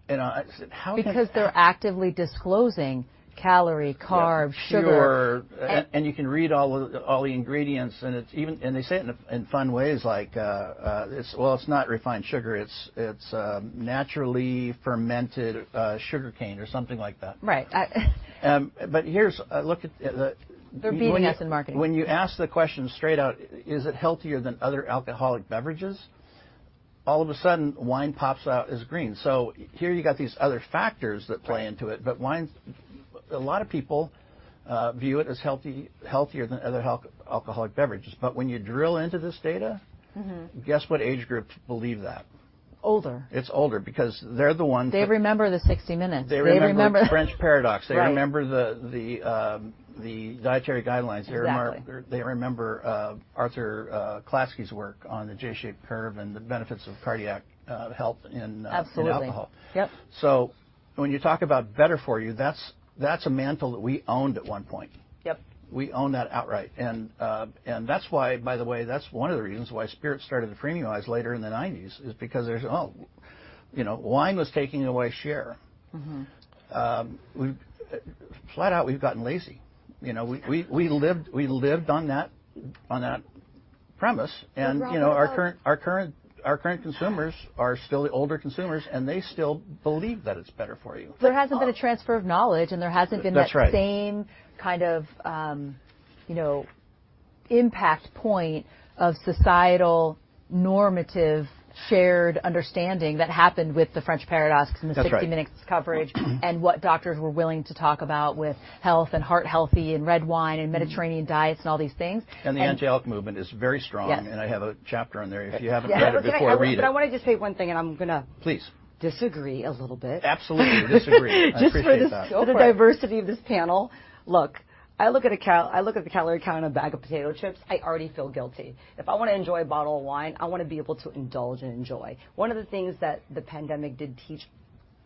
how. Because they're actively disclosing calorie, carb, sugar. You can read all the ingredients they say it in fun ways like, well, it's not refined sugar. It's naturally fermented sugar cane or something like that. Right. But here's a look at the. They're beating us in marketing. When you ask the question straight out, is it healthier than other alcoholic beverages? All of a sudden, wine pops out as green so here you got these other factors that play into it. But a lot of people view it as healthier than other alcoholic beverages. But when you drill into this data, guess what age group believe that? Older. It's older because they're the ones that. They remember the 60 Minutes. They remember the French Paradox. They remember the dietary guidelines. Exactly. They remember Arthur Klatsky's work on the J-shaped curve and the benefits of cardiac health in alcohol. Absolutely. Yep. So when you talk about better for you, that's a mantle that we owned at one point. We own that outright. And that's why, by the way, that's one of the reasons why spirits started to premiumize later in the 1990s is because wine was taking away share. Flat out, we've gotten lazy. We lived on that premise. And our current consumers are still the older consumers, and they still believe that it's better for you. There hasn't been a transfer of knowledge, and there hasn't been that same kind of impact point of societal normative shared understanding that happened with the French Paradox and the 60 Minutes coverage and what doctors were willing to talk about with health and heart healthy and red wine and Mediterranean diets and all these things. The angelic movement is very strong. I have a chapter on there. If you haven't read it before, read it. But I wanted to just say one thing, and I'm going to. Please. Disagree a little bit. Absolutely. Disagree. I appreciate that. Just for the diversity of this panel. Look, I look at the calorie count on a bag of potato chips, I already feel guilty. If I want to enjoy a bottle of wine, I want to be able to indulge and enjoy. One of the things that the pandemic did teach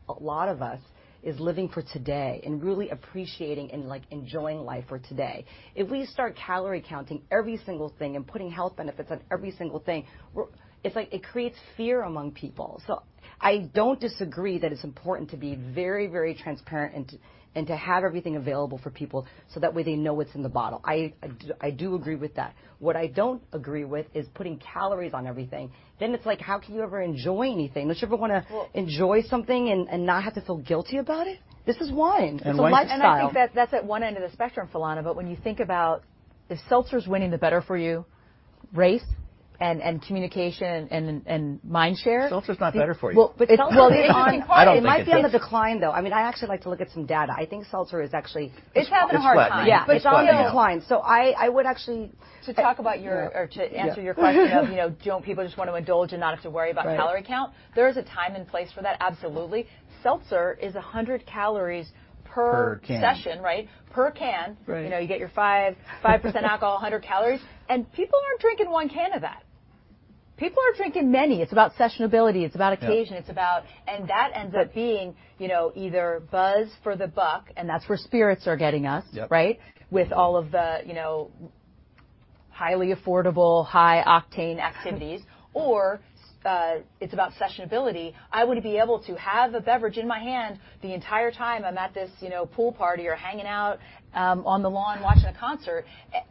a lot of us is living for today and really appreciating and enjoying life for today if we start calorie counting every single thing and putting health benefits on every single thing, it creates fear among people. So I don't disagree that it's important to be very, very transparent and to have everything available for people so that way they know what's in the bottle i do agree with that. What I don't agree with is putting calories on everything. Then it's like, how can you ever enjoy anything? Don't you ever want to enjoy something and not have to feel guilty about it? This is wine. Why not? I think that's at one end of the spectrum, Philana but when you think about if seltzer's winning the better for you race and communication and mind share. Seltzer's not better for you. It's on the decline, though. I mean, I actually like to look at some data i think seltzer is actually. It's having a hard time. <crosstalk> Yeah. It's on the decline. So I would actually to talk about yours or to answer your question of, don't people just want to indulge and not have to worry about calorie count? There is a time and place for that, absolutely. Seltzer is 100 calories per session, right? Per can. You get your 5% alcohol, 100 calories. And people aren't drinking one can of that. People are drinking many it's about sessionability it's about occasion and that ends up being either buzz for the buck, and that's where spirits are getting us, right, with all of the highly affordable, high-octane activities. Or it's about sessionability. I would be able to have a beverage in my hand the entire time I'm at this pool party or hanging out on the lawn watching a concert.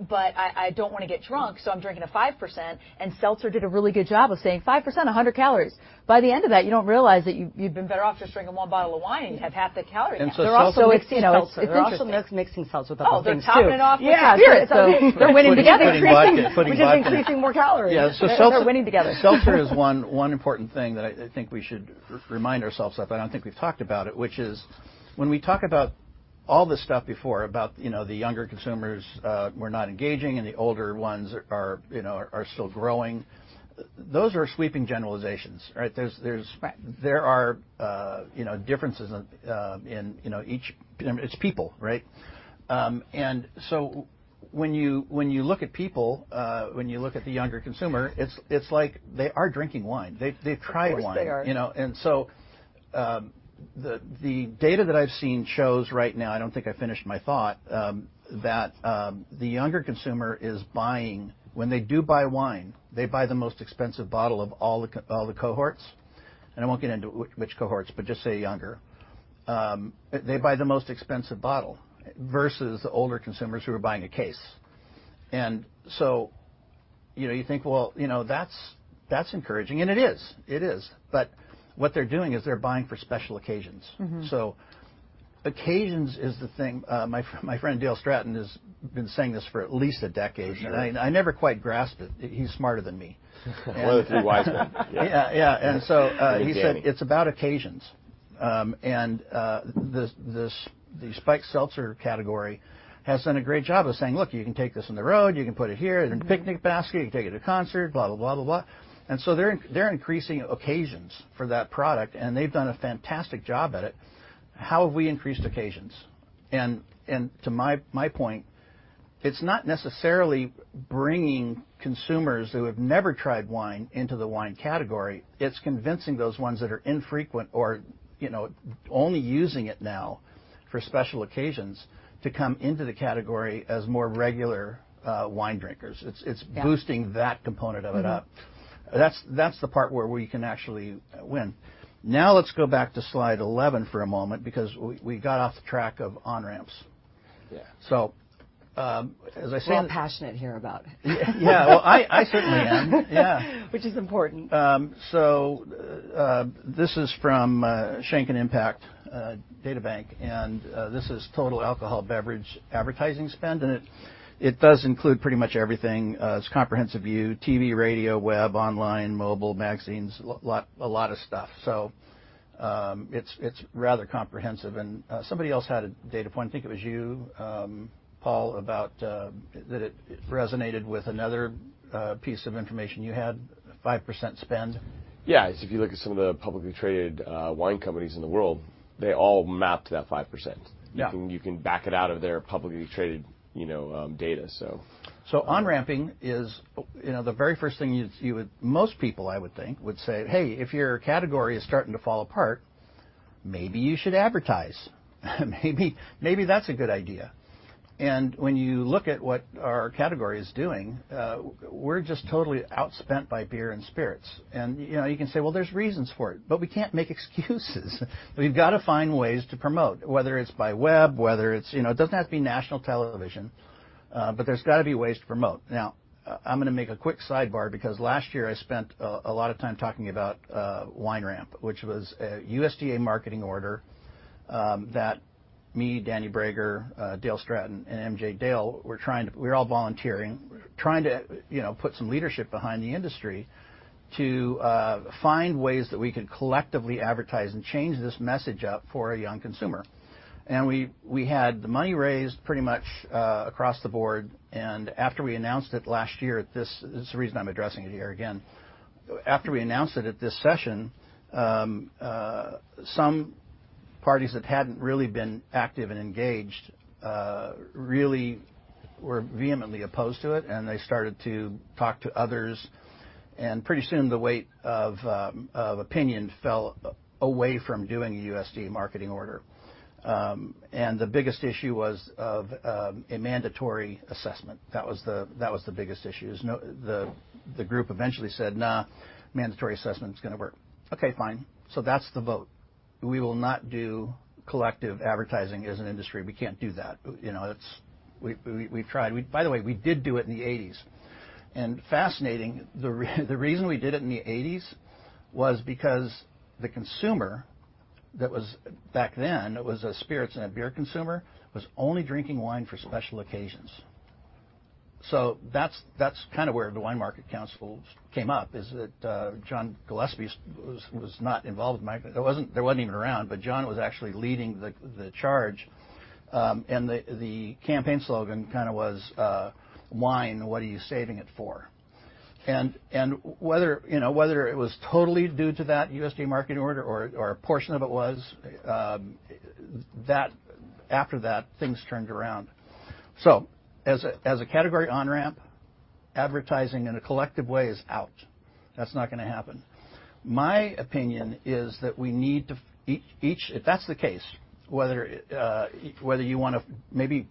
But I don't want to get drunk, so I'm drinking a 5%. And seltzer did a really good job of saying 5%, 100 calories. By the end of that, you don't realize that you'd been better off just drinking one bottle of wine and you'd have half the calories they're also mixing seltzer with alcohol. <crosstalk> It's interesting mixing seltzer with alcohol. Oh, they're topping it off with spirit. Yeah, so they're winning together. They're just increasing more calories. Yeah, so seltzer is one important thing that I think we should remind ourselves of i don't think we've talked about it, which is when we talk about all this stuff before about the younger consumers were not engaging and the older ones are still growing, those are sweeping generalizations, right? There are differences in each. It's people, right? And so when you look at people, when you look at the younger consumer, it's like they are drinking wine. They've tried wine. Of course they are. And so the data that I've seen shows right now, I don't think I finished my thought, that the younger consumer is buying when they do buy wine, they buy the most expensive bottle of all the cohorts. And I won't get into which cohorts, but just say younger. They buy the most expensive bottle versus the older consumers who are buying a case. And so you think, well, that's encouraging and it is. It is. But what they're doing is they're buying for special occasions. So occasions is the thing my friend Dale Stratton has been saying this for at least a decade i never quite grasped it he's smarter than me. One of the three wise men. Yeah. And so he said it's about occasions. And the spiked seltzer category has done a great job of saying, "Look, you can take this on the road. You can put it here in a picnic basket you can take it to a concert, blah, blah, blah, blah, blah." And so they're increasing occasions for that product, and they've done a fantastic job at it. How have we increased occasions? And to my point, it's not necessarily bringing consumers who have never tried wine into the wine category. It's convincing those ones that are infrequent or only using it now for special occasions to come into the category as more regular wine drinkers it's boosting that component of it up. That's the part where we can actually win. Now let's go back to slide 11 for a moment because we got off the track of on-ramps. So as I said. I'm passionate here about it. Yeah. Well, I certainly am. Yeah. Which is important. This is from Shanken Impact Databank. This is total alcohol beverage advertising spend. It does include pretty much everything. It's a comprehensive view, TV, radio, web, online, mobile, magazines, a lot of stuff. It's rather comprehensive. Somebody else had a data point i think it was you, Paul, that it resonated with another piece of information you had, 5% spend. Yeah. If you look at some of the publicly traded wine companies in the world, they all mapped that 5%. You can back it out of their publicly traded data, so. So on-ramping is the very first thing you would most people, I would think, would say, "Hey, if your category is starting to fall apart, maybe you should advertise. Maybe that's a good idea." And when you look at what our category is doing, we're just totally outspent by beer and spirits. And you can say, "Well, there's reasons for it, but we can't make excuses. We've got to find ways to promote, whether it's by web, it doesn't have to be national television. But there's got to be ways to promote. Now, I'm going to make a quick sidebar because last year I spent a lot of time talking about WineRAMP, which was a USDA marketing order that me, Danny Brager, Dale Stratton, and MJ Dale were trying to we're all volunteering, trying to put some leadership behind the industry. To find ways that we can collectively advertise and change this message up for a young consumer. We had the money raised pretty much across the board. After we announced it last year, this is the reason I'm addressing it here again. After we announced it at this session, some parties that hadn't really been active and engaged really were vehemently opposed to it they started to talk to others. Pretty soon, the weight of opinion fell away from doing a USDA Marketing Order. The biggest issue was a mandatory assessment. That was the biggest issue the group eventually said, "Nah, mandatory assessment is going to work." Okay, fine. That's the vote. We will not do collective advertising as an industry. We can't do that. We've tried by the way, we did do it in the 1980s. Fascinating, the reason we did it in the 1980s was because the consumer that was back then, it was a spirits and a beer consumer, was only drinking wine for special occasions. That's kind of where the Wine Market Council came up, is that John Gillespie was not involved there wasn't even around, but John was actually leading the charge. The campaign slogan kind of was, "Wine, what are you saving it for?" And whether it was totally due to that USDA Marketing Order or a portion of it was, after that, things turned around. So as a category on-ramp, advertising in a collective way is out. That's not going to happen. My opinion is that we need to each, if that's the case, whether you want to maybe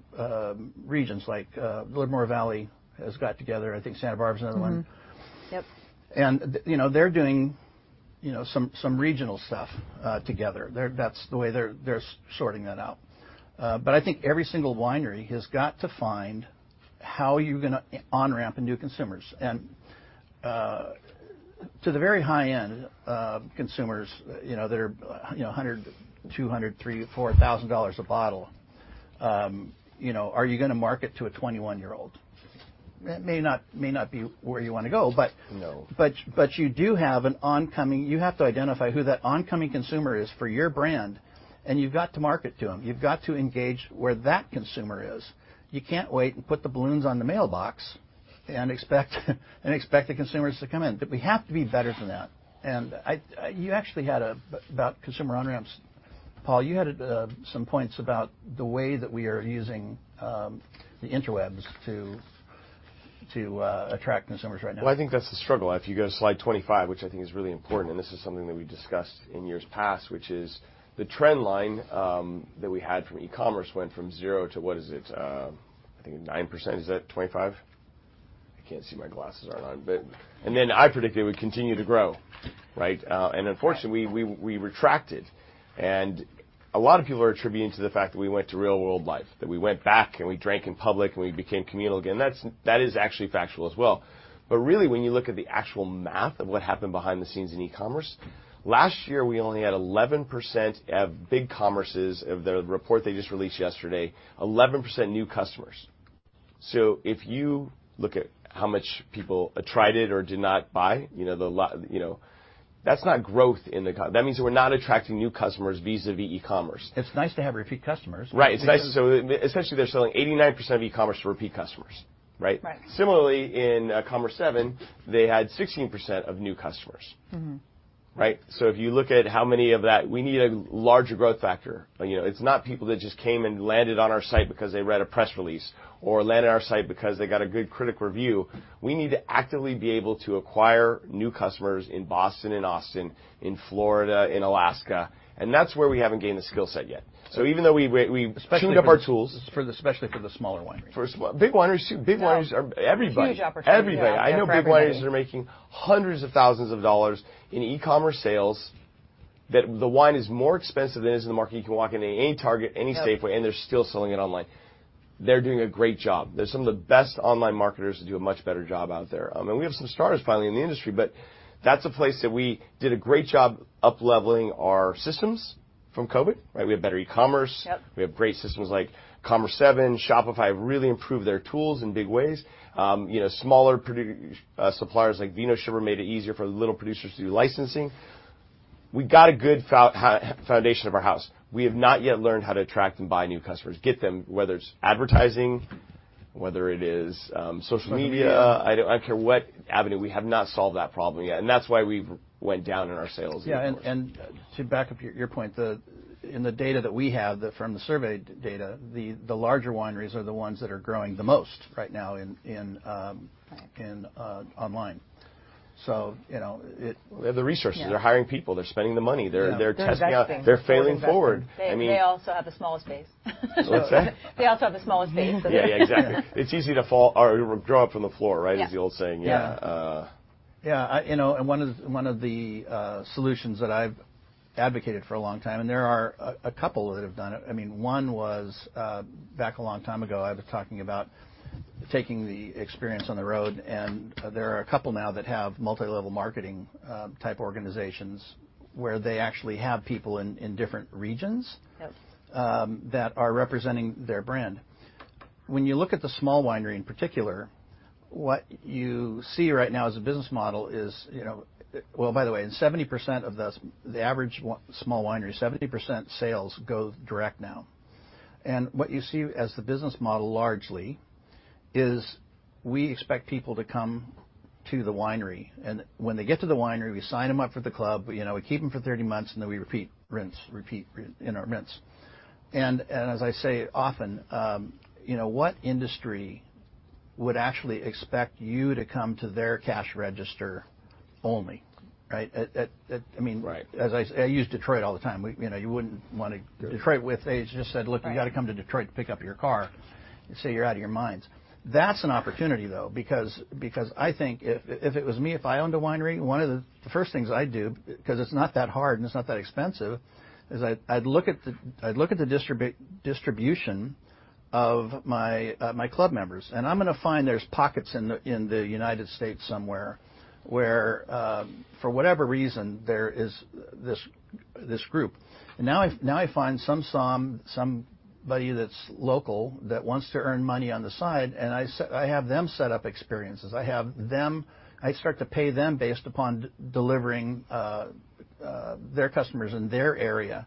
regions like Livermore Valley has got together i think Santa Barbara is another one. And they're doing some regional stuff together that's the way they're sorting that out. But I think every single winery has got to find how you're going to on-ramp and woo consumers. And to the very high-end consumers that are $100, $200, $3,000, $4,000 a bottle, are you going to market to a 21-year-old? It may not be where you want to go, but you do have an oncoming consumer you have to identify who that oncoming consumer is for your brand, and you've got to market to them. You've got to engage where that consumer is. You can't wait and put the balloons on the mailbox and expect the consumers to come in we have to be better than that. You actually had about consumer on-ramps, Paul. You had some points about the way that we are using the interwebs to attract consumers right now. Well, I think that's the struggle if you go to slide 25, which I think is really important, and this is something that we've discussed in years past, which is the trend line that we had from e-commerce went from zero to what is it? I think 9%, is that 25? I can't see my glasses are on and then I predicted it would continue to grow, right? And unfortunately, we retracted. And a lot of people are attributing to the fact that we went to real-world life, that we went back and we drank in public and we became communal again that is actually factual as well. But really, when you look at the actual math of what happened behind the scenes in e-commerce, last year, we only had 11% of BigCommerce's of the report they just released yesterday, 11% new customers. So, if you look at how much people tried it or did not buy, that's not growth. That means we're not attracting new customers vis-à-vis e-commerce. It's nice to have repeat customers. Right. So essentially, they're selling 89% of e-commerce to repeat customers, right? Similarly, in Commerce7, they had 16% of new customers, right? So if you look at how many of that, we need a larger growth factor. It's not people that just came and landed on our site because they read a press release or landed on our site because they got a good critic review. We need to actively be able to acquire new customers in Boston, in Austin, in Florida, in Alaska. And that's where we haven't gained the skill set yet. So even though we tuned up our tools. Especially for the smaller wineries. Big wineries, big wineries are everybody. <crosstalk> Huge opportunity. Everybody. I know big wineries that are making hundreds of thousands of dollars in e-commerce sales, that the wine is more expensive than it is in the market you can walk into any Target, any Safeway, and they're still selling it online. They're doing a great job they're some of the best online marketers to do a much better job out there and we have some starters finally in the industry, but that's a place that we did a great job up-leveling our systems from COVID, right? We have better e-commerce we have great systems like Commerce7, Shopify have really improved their tools in big ways. Smaller suppliers like VinoShipper made it easier for little producers to do licensing. We've got a good foundation of our house. We have not yet learned how to attract and buy new customers, get them, whether it's advertising, whether it is social media, I don't care what avenue we have not solved that problem yet, and that's why we went down in our sales in 2020. Yeah. And to back up your point, in the data that we have from the survey data, the larger wineries are the ones that are growing the most right now online. So it. They have the resources they're hiring people they're spending the money they're testing out they're failing forward. They also have the smallest base. What's that? They also have the smallest base. Yeah, yeah, exactly. It's easy to fall or drop from the floor, right, is the old saying. Yeah. Yeah and one of the solutions that I've advocated for a long time, and there are a couple that have done it i mean, one was back a long time ago i was talking about taking the experience on the road. And there are a couple now that have multilevel marketing type organizations where they actually have people in different regions? that are representing their brand. When you look at the small winery in particular, what you see right now as a business model is, well, by the way, in 70% of the average small winery, 70% sales go direct now. And what you see as the business model largely is we expect people to come to the winery and when they get to the winery, we sign them up for the club we keep them for 30 months, and then we repeat, rinse and repeat. And as I say often, what industry would actually expect you to come to their cash register only, right? I mean, I use Detroit all the time you wouldn't want to go to Detroit if they just said, "Look, you got to come to Detroit to pick up your car. They'd say you're out of your minds." That's an opportunity, though, because I think if it was me, if I owned a winery, one of the first things I'd do, because it's not that hard and it's not that expensive, is I'd look at the distribution of my club members and I'm going to find there's pockets in the United States somewhere where, for whatever reason, there is this group. And now I find somebody that's local that wants to earn money on the side, and I have them set up experiences i start to pay them based upon delivering their customers in their area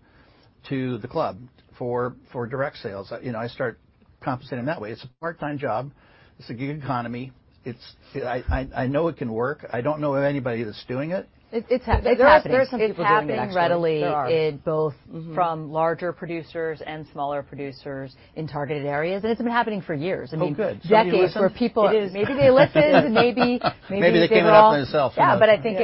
to the club for direct sales i start compensating them that way it's a part-time job. It's a gig economy. I know it can work i don't know of anybody that's doing it. <crosstalk> It's happening. There are some people that are doing it. It's happening readily in both from larger producers and smaller producers in targeted areas, and it's been happening for years i mean, decades where <crosstalk> people maybe they listened, maybe. Maybe they brought it on themselves. Yeah but I think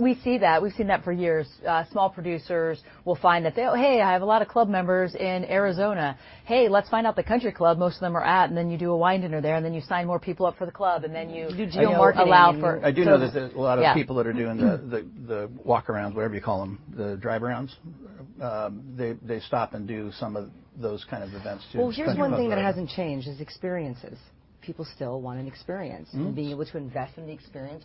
we see that we've seen that for years. Small producers will find that, "Hey, I have a lot of club members in Arizona. Hey, let's find out the country club most of them are at." And then you do a wine dinner there, and then you sign more people up for the club, and then you allow for. I do know there's a lot of people that are doing the walk-arounds, whatever you call them, the drive-arounds. They stop and do some of those kinds of events too. Well, here's one thing that hasn't changed is experiences. People still want an experience and being able to invest in the experience,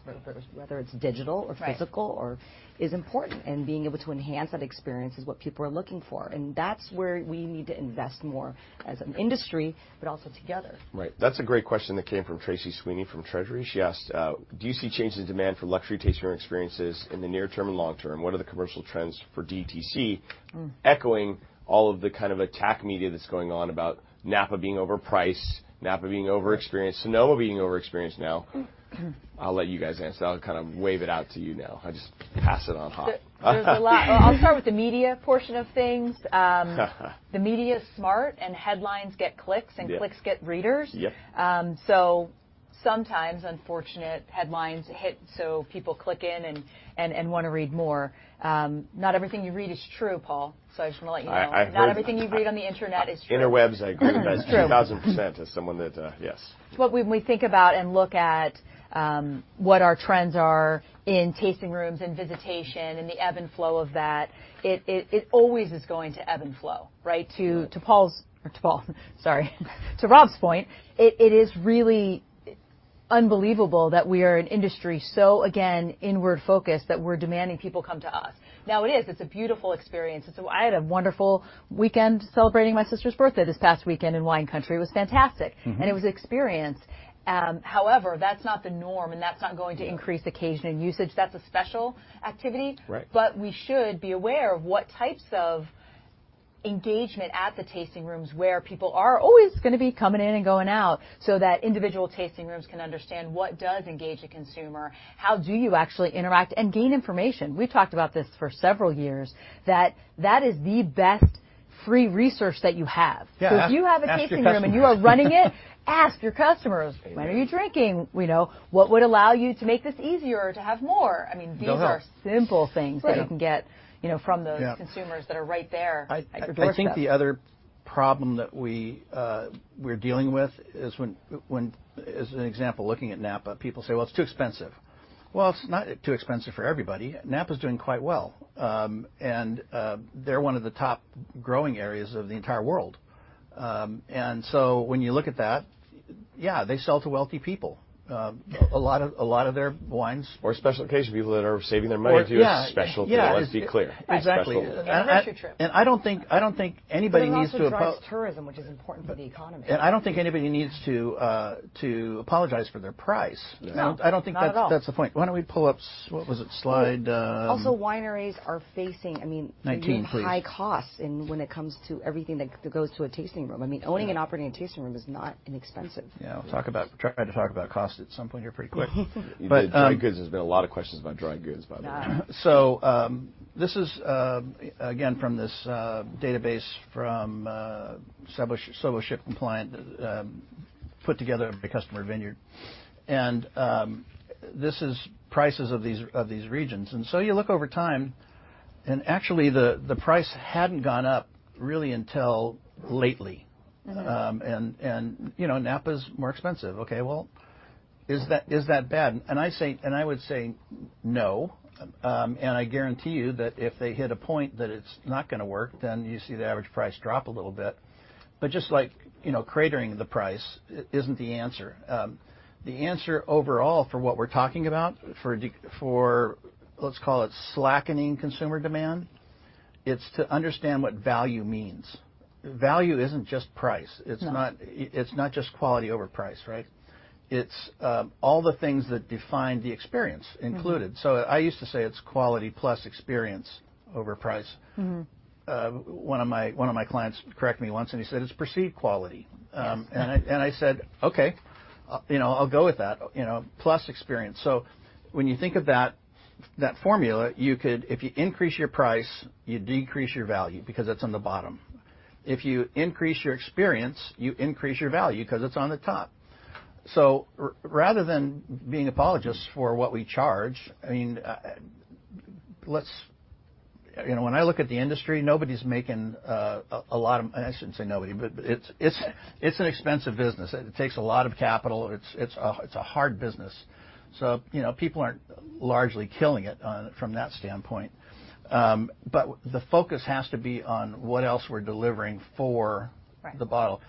whether it's digital or physical, is important and being able to enhance that experience is what people are looking for and that's where we need to invest more as an industry, but also together. Right. That's a great question that came from Tracy Sweeney from Treasury she asked, "Do you see changes in demand for luxury tasting room experiences in the near-term and long-term? What are the commercial trends for DTC?" Echoing all of the kind of attack media that's going on about Napa being overpriced, Napa being over-experienced, Sonoma being over-experienced now. I'll let you guys answer. I'll kind of wave it out to you now i'll just pass it on hot. There's a lot. I'll start with the media portion of things. The media is smart, and headlines get clicks, and clicks get readers. So sometimes unfortunate headlines hit so people click in and want to read more. Not everything you read is true, Paul so I just want to let you know. Not everything you read on the internet is true. Interwebs, I agree with you guys 1000% as someone that, yes. When we think about and look at what our trends are in tasting rooms and visitation and the ebb and flow of that, it always is going to ebb and flow, right? To Paul's or to Paul, sorry. To Rob's point, it is really unbelievable that we are an industry so, again, inward-focused that we're demanding people come to us. Now, it is. It's a beautiful experience i had a wonderful weekend celebrating my sister's birthday this past weekend in Wine Country it was fantastic, and it was an experience. However, that's not the norm, and that's not going to increase occasion and usage that's a special activity, but we should be aware of what types of engagement at the tasting rooms where people are always going to be coming in and going out so that individual tasting rooms can understand what does engage a consumer how do you actually interact and gain information? We've talked about this for several years. That that is the best free resource that you have. So if you have a tasting room and you are running it, ask your customers, "When are you drinking? What would allow you to make this easier to have more?" I mean, these are simple things that you can get from those consumers that are right there. I think the other problem that we're dealing with is, as an example, looking at Napa, people say, "Well, it's too expensive." Well, it's not too expensive for everybody. Napa's doing quite well. And they're one of the top growing areas of the entire world. And so when you look at that, yeah, they sell to wealthy people. A lot of their wines. Or special occasion people that are saving their money to do a special deal. Let's be clear. Exactly and I don't think anybody needs to. It's crush tourism, which is important for the economy. I don't think anybody needs to apologize for their price. I don't think that's the point. Why don't we pull up, what was it, slide? Also, wineries are facing, I mean. 19, please. High costs when it comes to everything that goes to a tasting room. I mean, owning and operating a tasting room is not inexpensive. Yeah. We'll try to talk about cost at some point here pretty quick. Dried goods there's been a lot of questions about dry goods, by the way. This is, again, from this database from Sovos ShipCompliant put together by Customer Vineyard. This is prices of these regions you look over time, and actually, the price hadn't gone up really until lately. Napa's more expensive okay, well, is that bad? I would say no. I guarantee you that if they hit a point that it's not going to work, then you see the average price drop a little bit. Just like cratering the price isn't the answer. The answer overall for what we're talking about for, let's call it, slackening consumer demand, it's to understand what value means. Value isn't just price. It's not just quality over price, right? It's all the things that define the experience included. I used to say it's quality plus experience over price. One of my clients corrected me once, and he said, "It's perceived quality." And I said, "Okay, I'll go with that, plus experience." So when you think of that formula, if you increase your price, you decrease your value because it's on the bottom. If you increase your experience, you increase your value because it's on the top. So rather than being apologists for what we charge, I mean, when I look at the industry, nobody's making a lot of. I shouldn't say nobody, but it's an expensive business it takes a lot of capital it's a hard business. So people aren't largely killing it from that standpoint. But the focus has to be on what else we're delivering for the bottle.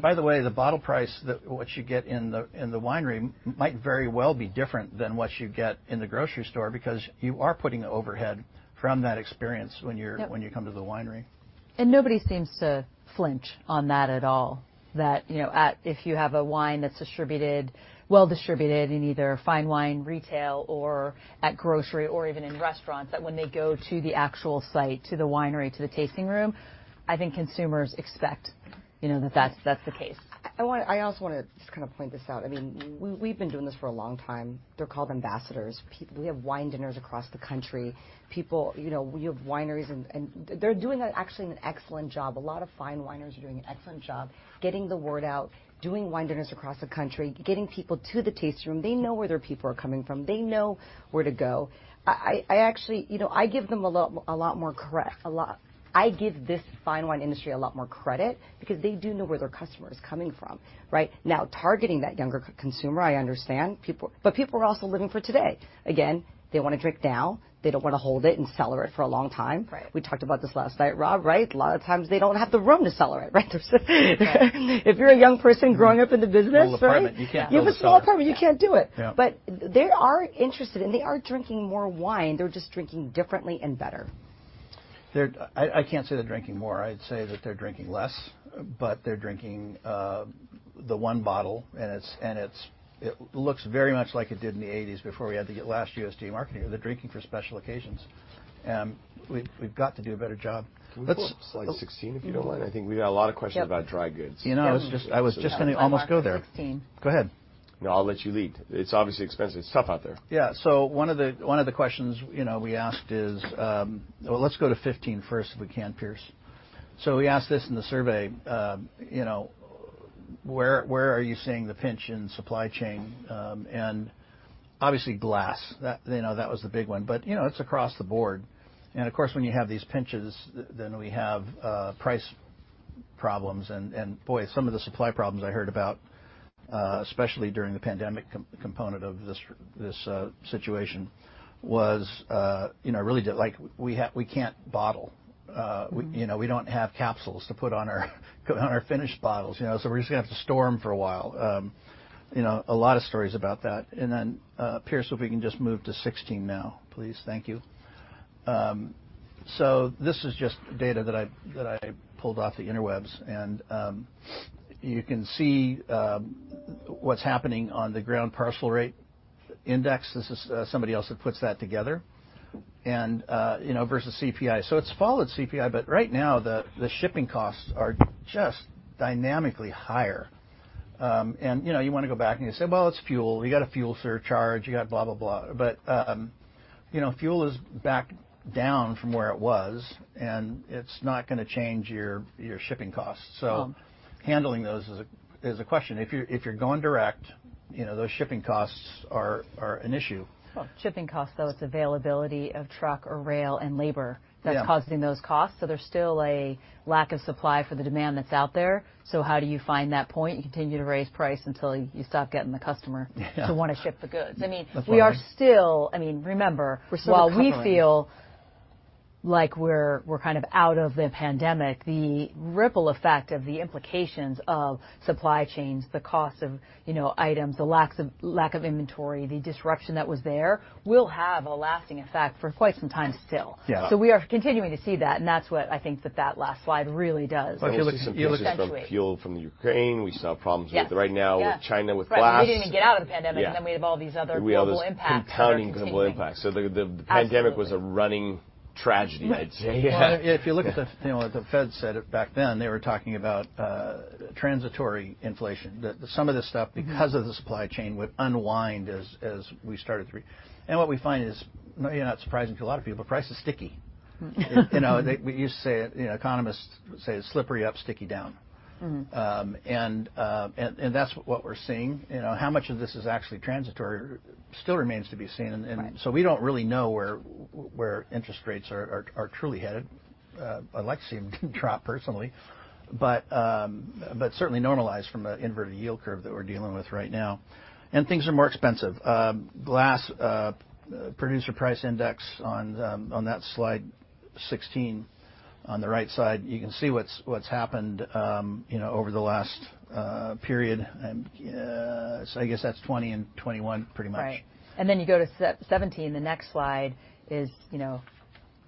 By the way, the bottle price, what you get in the winery, might very well be different than what you get in the grocery store because you are putting an overhead from that experience when you come to the winery. And nobody seems to flinch on that at all, that if you have a wine that's well-distributed in either fine wine retail or at grocery or even in restaurants, that when they go to the actual site, to the winery, to the tasting room, I think consumers expect that that's the case. I also want to just kind of point this out i mean, we've been doing this for a long time. They're called ambassadors. We have wine dinners across the country. You have wineries, and they're doing actually an excellent job a lot of fine wineries are doing an excellent job getting the word out, doing wine dinners across the country, getting people to the tasting room they know where their people are coming from they know where to go. I give them a lot more credit. I give this fine wine industry a lot more credit because they do know where their customer is coming from, right? Now, targeting that younger consumer, I understand but people are also living for today. Again, they want to drink now. They don't want to hold it and sell it for a long time. We talked about this last night, Rob, right? A lot of times, they don't have the room to sell it, right? If you're a young person growing up in the business, right? You have a small apartment. You can't do it. But they are interested, and they are drinking more wine they're just drinking differently and better. I can't say they're drinking more i'd say that they're drinking less, but they're drinking the one bottle, and it looks very much like it did in the 1980s before we had the last U.S. market here they're drinking for special occasions. We've got to do a better job. Can we pull up slide 16, if you don't mind? I think we've got a lot of questions about dry goods. I was just going to almost go there. <crosstalk> Slide 1. Go ahead. No, I'll let you lead. It's obviously expensive. It's tough out there. Yeah. So one of the questions we asked is, well, let's go to 15 first if we can, Pierce. So we asked this in the survey. Where are you seeing the pinch in supply chain? And obviously, glass that was the big one but it's across the board. And of course, when you have these pinches, then we have price problems. And boy, some of the supply problems I heard about, especially during the pandemic component of this situation, was. I really did, like, "we can't bottle." We don't have capsules to put on our finished bottles so we're just going to have to store for a while. A lot of stories about that and then, Pierce, if we can just move to 16 now, please. Thank you. So this is just data that I pulled off the interwebs. You can see what's happening on the ground parcel rate index this is somebody else that puts that together. Versus CPI. It's followed CPI, but right now, the shipping costs are just dynamically higher. You want to go back and you say, "Well, it's fuel you got a fuel surcharge you got blah, blah, blah." Fuel is back down from where it was, and it's not going to change your shipping costs. Handling those is a question. If you're going direct, those shipping costs are an issue. Shipping costs, though, it's availability of truck or rail and labor that's causing those cost so there's still a lack of supply for the demand that's out there. So how do you find that point? You continue to raise price until you stop getting the customer to want to ship the good i mean, we are still i mean, remember, while we feel. Like we're kind of out of the pandemic, the ripple effect of the implications of supply chains, the cost of items, the lack of inventory, the disruption that was there will have a lasting effect for quite some time still. So we are continuing to see that, and that's what I think that last slide really does. So if you look at something from the fuel from the Ukraine, we saw problems right now with China with glass. Right we didn't even get out of the pandemic, and then we have all these other global impacts. We have all these compounding global impacts, so the pandemic was a running tragedy, I'd say. Yeah if you look at the Fed said it back then, they were talking about transitory inflation some of this stuff, because of the supply chain, would unwind as we started to read. And what we find is, it's not surprising to a lot of people, price is sticky. We used to say, economists say, it's slippery up, sticky down. And that's what we're seeing. How much of this is actually transitory still remains to be seen. And so we don't really know where interest rates are truly headed. I'd like to see them drop, personally but, certainly normalize from the inverted yield curve that we're dealing with right now. And things are more expensive. Glass producer price index on that slide 16 on the right side, you can see what's happened over the last period. So I guess that's 2020 and 2021, pretty much. Right. And then you go to 17 the next slide is,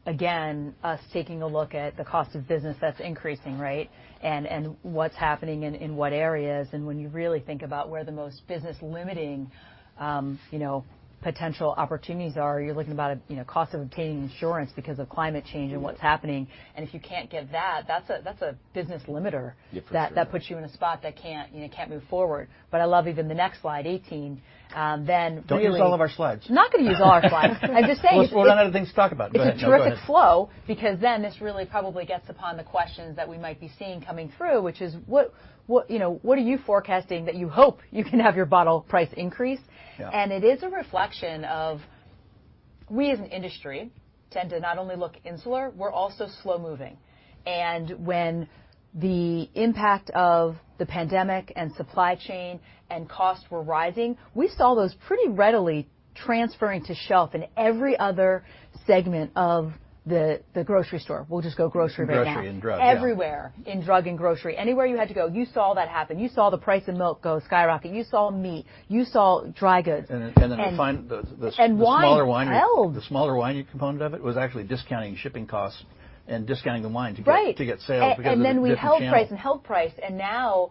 again, us taking a look at the cost of business that's increasing, right, and what's happening in what areas. And when you really think about where the most business-limiting potential opportunities are, you're looking at the cost of obtaining insurance because of climate change and what's happening. And if you can't get that, that's a business limiter that puts you in a spot that can't move forward. But I love even the next slide, 18. Then really. Don't use all of our slides. Not going to use all our slides. I'm just saying. We'll run out of things to talk about. It's a terrific flow because then this really probably touches upon the questions that we might be seeing coming through, which is, what are you forecasting that you hope you can have your bottle price increase? And it is a reflection of how we, as an industry, tend to not only look insular, we're also slow-moving. And when the impact of the pandemic and supply chain and costs were rising, we saw those pretty readily transferring to the shelf in every other segment of the grocery store we'll just go grocery right now. Grocery and drugs. Everywhere. In drug and grocery anywhere you had to go, you saw that happen you saw the price of milk go skyrocket you saw meat. You saw dry goods. And then I find the smaller wine component of it was actually discounting shipping costs and discounting the wine to get sales. And then we held price and held price. And now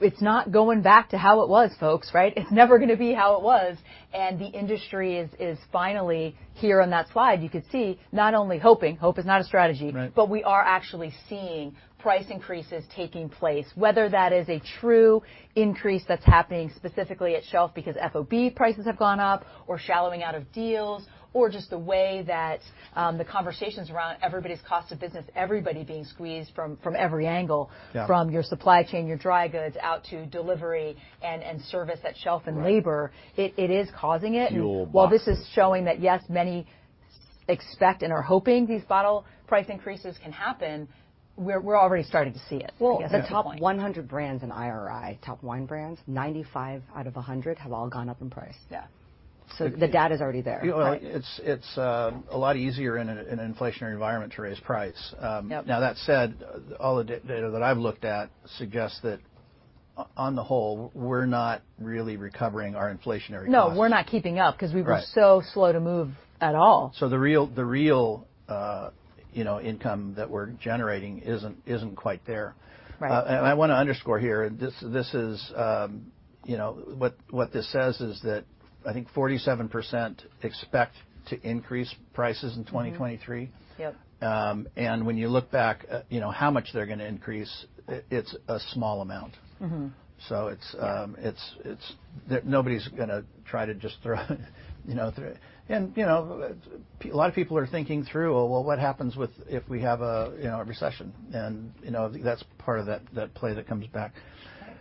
it's not going back to how it was, folks, right? It's never going to be how it was. And the industry is finally here on that slide you could see not only hoping, hope is not a strategy, but we are actually seeing price increases taking place, whether that is a true? Increase that's happening specifically at shelf because FOB prices have gone up or shallowing out of deals or just the way that the conversations around everybody's cost of business, everybody being squeezed from every angle, from your supply chain, your dry goods, out to delivery and service at shelf and labor, it is causing it. Fuel price. While this is showing that, yes, many expect and are hoping these bottle price increases can happen, we're already starting to see it i guess that's the point the top 100 brands in IRI, top wine brands, 95 out of 100 have all gone up in price. Yeah. The data is already there. It's a lot easier in an inflationary environment to raise price. Now, that said, all the data that I've looked at suggests that, on the whole, we're not really recovering our inflationary costs. No, we're not keeping up because we were so slow to move at all. So the real income that we're generating isn't quite there. And I want to underscore here, this is what this says is that I think 47% expect to increase prices in 2023. And when you look back, how much they're going to increase, it's a small amount. So nobody's going to try to just throw-and a lot of people are thinking through, well, what happens if we have a recession? And that's part of that play that comes back.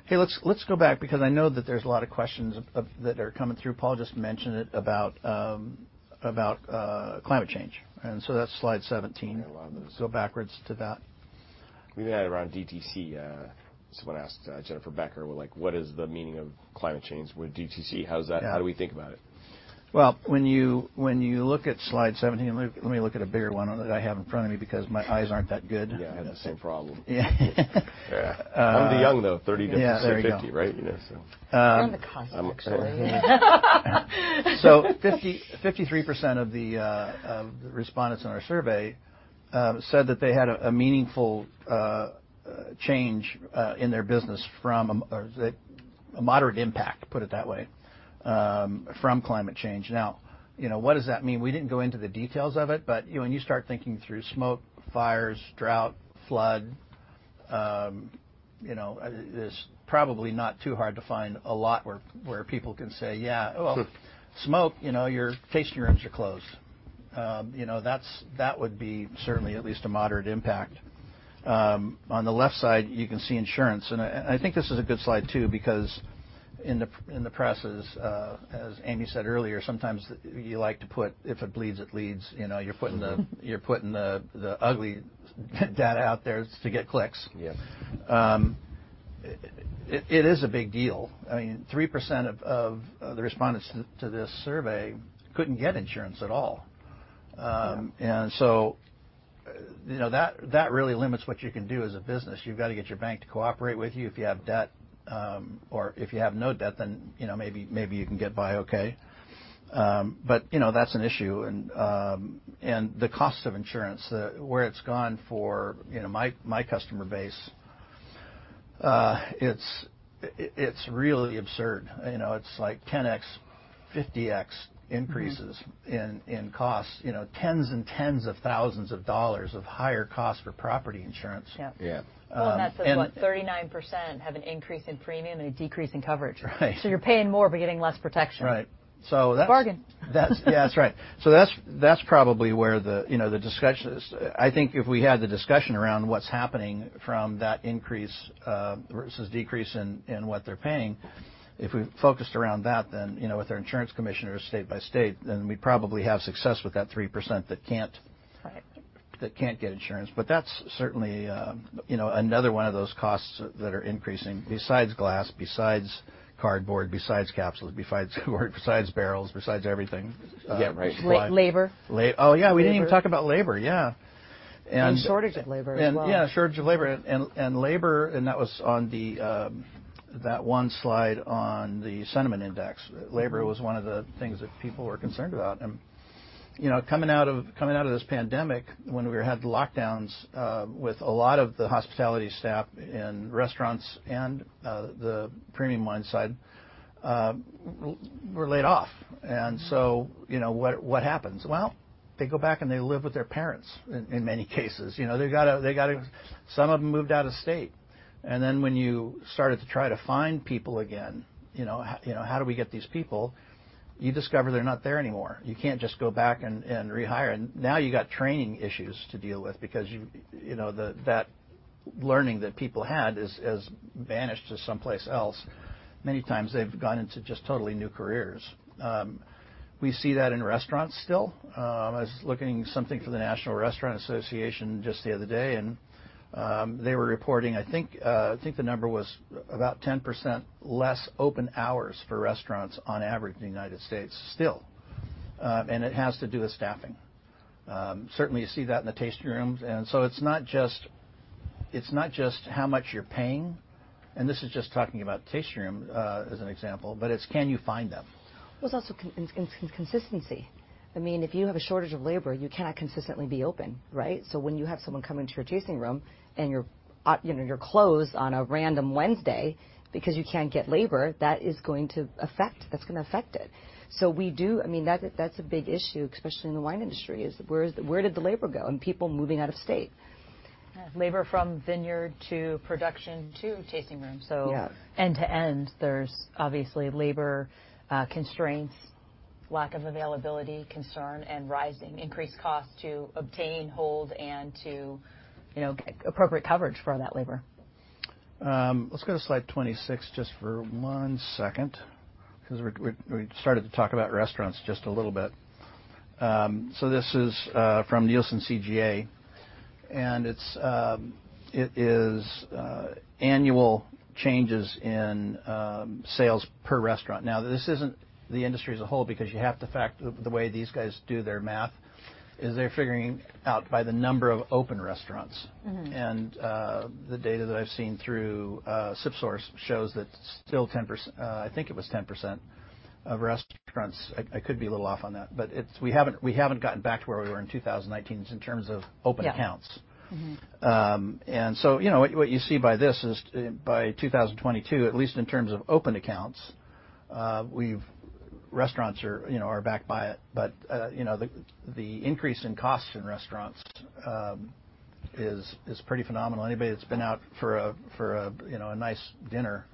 Okay, let's go back because I know that there's a lot of questions that are coming through. Paul just mentioned it about climate change. And so that's slide 17. Let's go backwards to that. We had around DTC. Someone asked Jennifer Becker what is the meaning of climate change with DTC? How do we think about it? When you look at slide 17, let me look at a bigger one that I have in front of me because my eyes aren't that good. Yeah, I had the same problem. I'm the young, though. 30 to 50, right? The Cosmic survey. So 53% of the respondents in our survey said that they had a meaningful change in their business from a moderate impact, put it that way, from climate change. Now, what does that mean? We didn't go into the details of it, but when you start thinking through smoke, fires, drought, flood, it's probably not too hard to find a lot where people can say, "Yeah, well, smoke, your tasting rooms are closed." That would be certainly at least a moderate impact. On the left side, you can see insurance. And I think this is a good slide, too, because in the press, as Amy said earlier, sometimes you like to put, "If it bleeds, it leads." You're putting the ugly data out there to get clicks. It is a big deal. I mean, 3% of the respondents to this survey couldn't get insurance at all. And so that really limits what you can do as a business you've got to get your bank to cooperate with you if you have debt, or if you have no debt, then maybe you can get by okay. But that's an issue. And the cost of insurance, where it's gone for my customer base, it's really absurd. It's like 10x, 50x increases in costs, tens and tens of thousands of dollars of higher cost for property insurance. Yeah Well, and that's as what? 39% have an increase in premium and a decrease in coverage. So you're paying more but getting less protection. Right. So that's. Bargain. Yeah, that's right. So that's probably where the discussion is. I think if we had the discussion around what's happening from that increase versus decrease in what they're paying, if we focused around that, then with our insurance commissioners state by state, then we'd probably have success with that 3% that can't get insurance but that's certainly another one of those costs that are increasing besides glass, besides cardboard, besides capsules, besides barrels, besides everything. Yeah, right. Labor. Oh, yeah. We didn't even talk about labor. Yeah. And shortage of labor as well. Yeah, shortage of labor. And labor, and that was on that one slide on the sentiment index. Labor was one of the things that people were concerned about. And coming out of this pandemic, when we had lockdowns with a lot of the hospitality staff in restaurants and the premium wine side, were laid off. And so what happens? Well, they go back and they live with their parents in many cases they've got to. Some of them moved out of state. And then when you started to try to find people again, how do we get these people? You discover they're not there anymore. You can't just go back and rehire. And now you've got training issues to deal with because that learning that people had has vanished to someplace else. Many times, they've gone into just totally new careers. We see that in restaurants still, I was looking at something for the National Restaurant Association just the other day, and they were reporting, I think the number was about 10% less open hours for restaurants on average in the United States still, and it has to do with staffing. Certainly, you see that in the tasting rooms, and so it's not just how much you're paying, and this is just talking about tasting room as an example, but it's, can you find them? It's also consistency. I mean, if you have a shortage of labor, you cannot consistently be open, right? So when you have someone come into your tasting room and you're closed on a random Wednesday because you can't get labor, that's going to affect it. I mean, that's a big issue, especially in the wine industry, is where did the labor go? And people moving out of state. Labor from vineyard to production to tasting room. So end to end, there's obviously labor constraints, lack of availability concern, and rising increased costs to obtain, hold, and to get appropriate coverage for that labor. Let's go to slide 26 just for one second because we started to talk about restaurants just a little bit. So this is from NielsenCGA, and it is annual changes in sales per restaurant now, this isn't the industry as a whole because you have to factor the way these guys do their math, is they're figuring out by the number of open restaurants. And the data that I've seen through SipSource shows that still 10%, I think it was 10% of restaurants i could be a little off on that, but we haven't gotten back to where we were in 2019 in terms of open accounts. And so what you see by this is, by 2022, at least in terms of open accounts, restaurants are back by it. But the increase in costs in restaurants. Is pretty phenomenal anybody that's been out for a nice dinner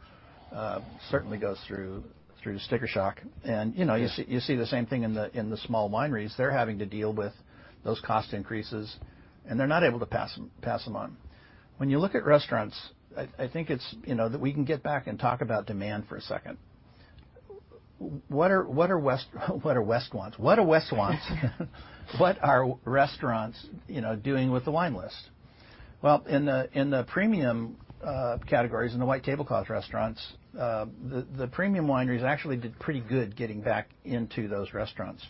certainly goes through sticker shock. You see the same thing in the small wineries. They're having to deal with those cost increases, and they're not able to pass them on. When you look at restaurants, I think it's that we can get back and talk about demand for a second. What the rest wants? What are restaurants doing with the wine list? In the premium categories in the white tablecloth restaurants, the premium wineries actually did pretty good getting back into those restaurants,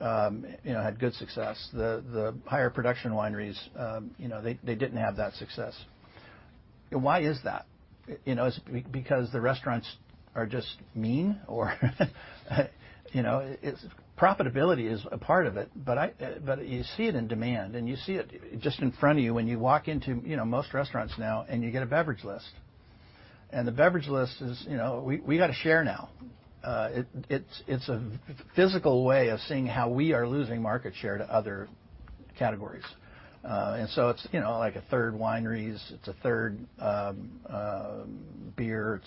had good success. The higher production wineries, they didn't have that success. Why is that? Is it because the restaurants are just mean? Our profitability is a part of it, but you see it in demand, and you see it just in front of you when you walk into most restaurants now, and you get a beverage list. And the beverage list is, we got to share now. It's a physical way of seeing how we are losing market share to other categories. And so it's like a third wines. It's a third beer.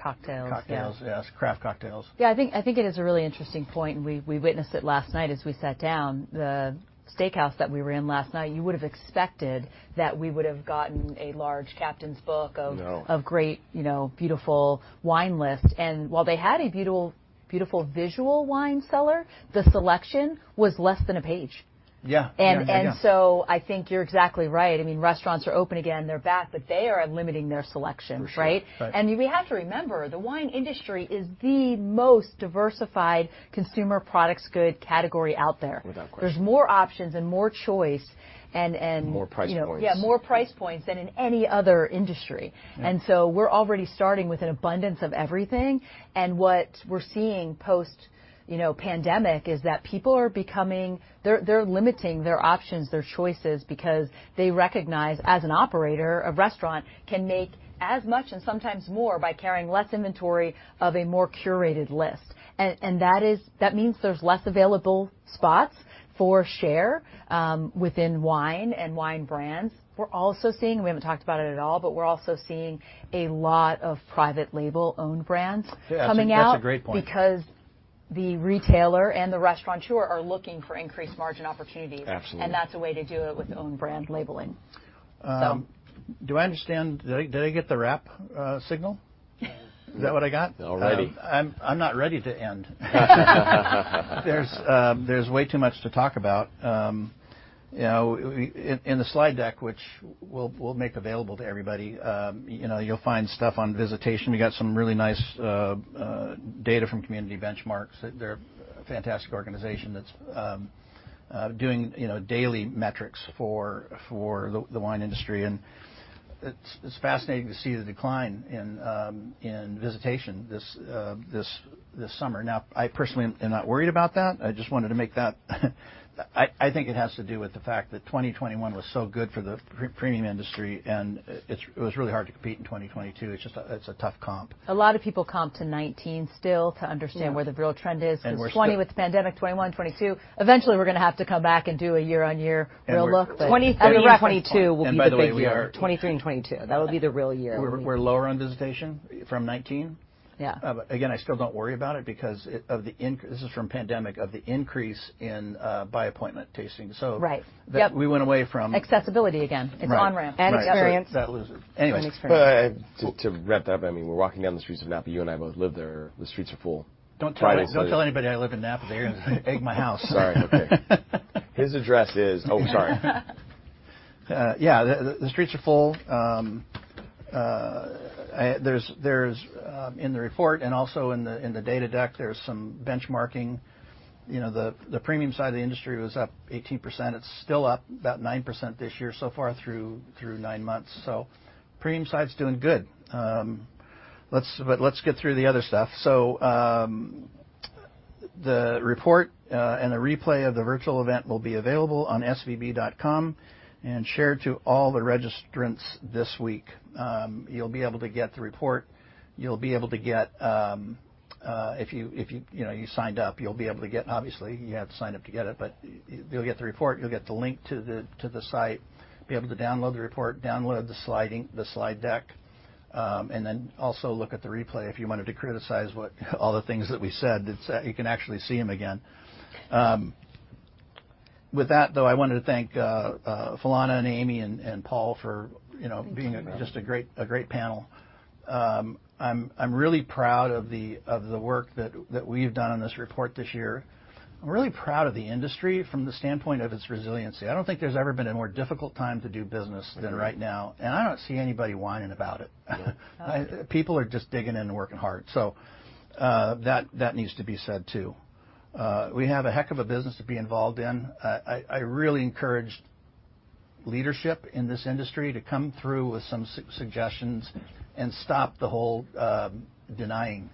Cocktails. Cocktails, yes. Craft cocktails. Yeah, I think it is a really interesting point, and we witnessed it last night as we sat down. The steakhouse that we were in last night, you would have expected that we would have gotten a large captain's book of great, beautiful wine lists, and while they had a beautiful visual wine cellar, the selection was less than a page, and so I think you're exactly righ i mean, restaurants are open againhey're back, but they are limiting their selection, right? and we have to remember, the wine industry is the most diversified consumer products goods category out there. There's more options and more choice and. More price points. Yeah, more price points than in any other industry. And so we're already starting with an abundance of everything. And what we're seeing post-pandemic is that people are becoming—they're limiting their options, their choices because they recognize as an operator, a restaurant can make as much and sometimes more by carrying less inventory of a more curated list. And that means there's less available spots for share within wine and wine brands. We're also seeing—we haven't talked about it at all, but we're also seeing a lot of private label-owned brands coming out. Yeah, that's a great point. Because the retailer and the restaurateur are looking for increased margin opportunities, and that's a way to do it with own brand labeling. Do I understand? Did I get the wrap signal? Is that what I got? Already. I'm not ready to end. There's way too much to talk about. In the slide deck, which we'll make available to everybody, you'll find stuff on visitation we got some really nice data from Community Benchmark. They're a fantastic organization that's doing daily metrics for the wine industry, and it's fascinating to see the decline in visitation this summer now, I personally am not worried about that. I just wanted to make that, I think it has to do with the fact that 2021 was so good for the premium industry, and it was really hard to compete in 2022 it's a tough comp. A lot of people comp to 2019 still to understand where the real trend is. It's 2020 with the pandemic, 2021, 2022. Eventually, we're going to have to come back and do a year-on-year real look, but- <crosstalk> 2023 and 2022 will be the big year. 2023 and 2022. That will be the real year. We're lower on visitation from 2019? Yeah. Again, I still don't worry about it because of the increase, this is from the pandemic, in by appointment tasting, so we went away from. Accessibility again. It's on-ramp. Any experience? Anyway. Same experience. To wrap that up, I mean, we're walking down the streets of Napa you and I both live there. The streets are full. Don't tell anybody I live in Napa. They're going to egg my house. Sorry. Okay. His address is. Oh, sorry. Yeah, the streets are full. There's in the report and also in the data deck, there's some benchmarking. The premium side of the industry was up 18%. It's still up about 9% this year so far through nine months. Premium side's doing good. Let's get through the other stuff. The report and the replay of the virtual event will be available on svb.com and shared to all the registrants this week. You'll be able to get the report. You'll be able to get, if you signed up, you'll be able to get, obviously, you had to sign up to get it, but you'll get the report you'll get the link to the site, be able to download the report, download the slide deck, and then also look at the replay if you wanted to criticize all the things that we said you can actually see them again. With that, though, I wanted to thank Philana and Amy and Paul for being just a great panel. I'm really proud of the work that we've done on this report this year. I'm really proud of the industry from the standpoint of its resiliency i don't think there's ever been a more difficult time to do business than right now, and I don't see anybody whining about it. People are just digging in and working hard, so that needs to be said too. We have a heck of a business to be involved in. I really encourage leadership in this industry to come through with some suggestions and stop the whole denying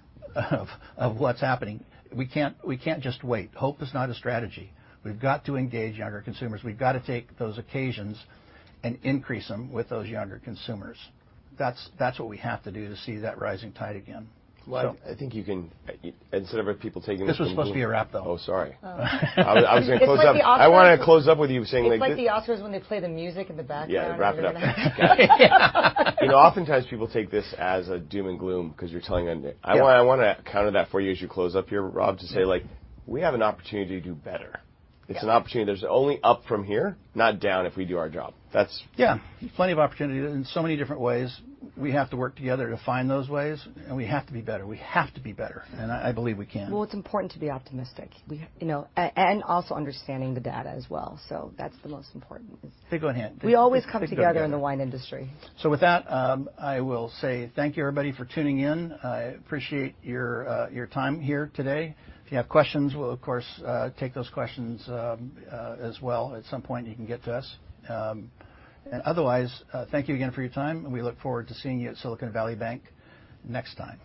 of what's happening. We can't just wait. Hope is not a strategy. We've got to engage younger consumers we've got to take those occasions and increase them with those younger consumers. That's what we have to do to see that rising tide again. I think you can, instead of people taking this away. This was supposed to be a wrap, though. Oh, sorry. I was going to close up. I wanted to close up with you saying like. You like the Oscars when they play the music in the background? Yeah, wrap it up. Oftentimes, people take this as doom and gloom because you're telling, I want to counter that for you as you close up here, Rob, to say like, "We have an opportunity to do better. It's an opportunity there's only up from here, not down if we do our job. Yeah. Plenty of opportunity in so many different ways. We have to work together to find those ways, and we have to be better we have to be better. And I believe we can. It's important to be optimistic and also understanding the data as well. That's the most important. Hey, go ahead. We always come together in the wine industry. So with that, I will say thank you, everybody, for tuning in. I appreciate your time here today. If you have questions, we'll, of course, take those questions as well at some point, you can get to us. Otherwise, thank you again for your time, and we look forward to seeing you at Silicon Valley Bank next time.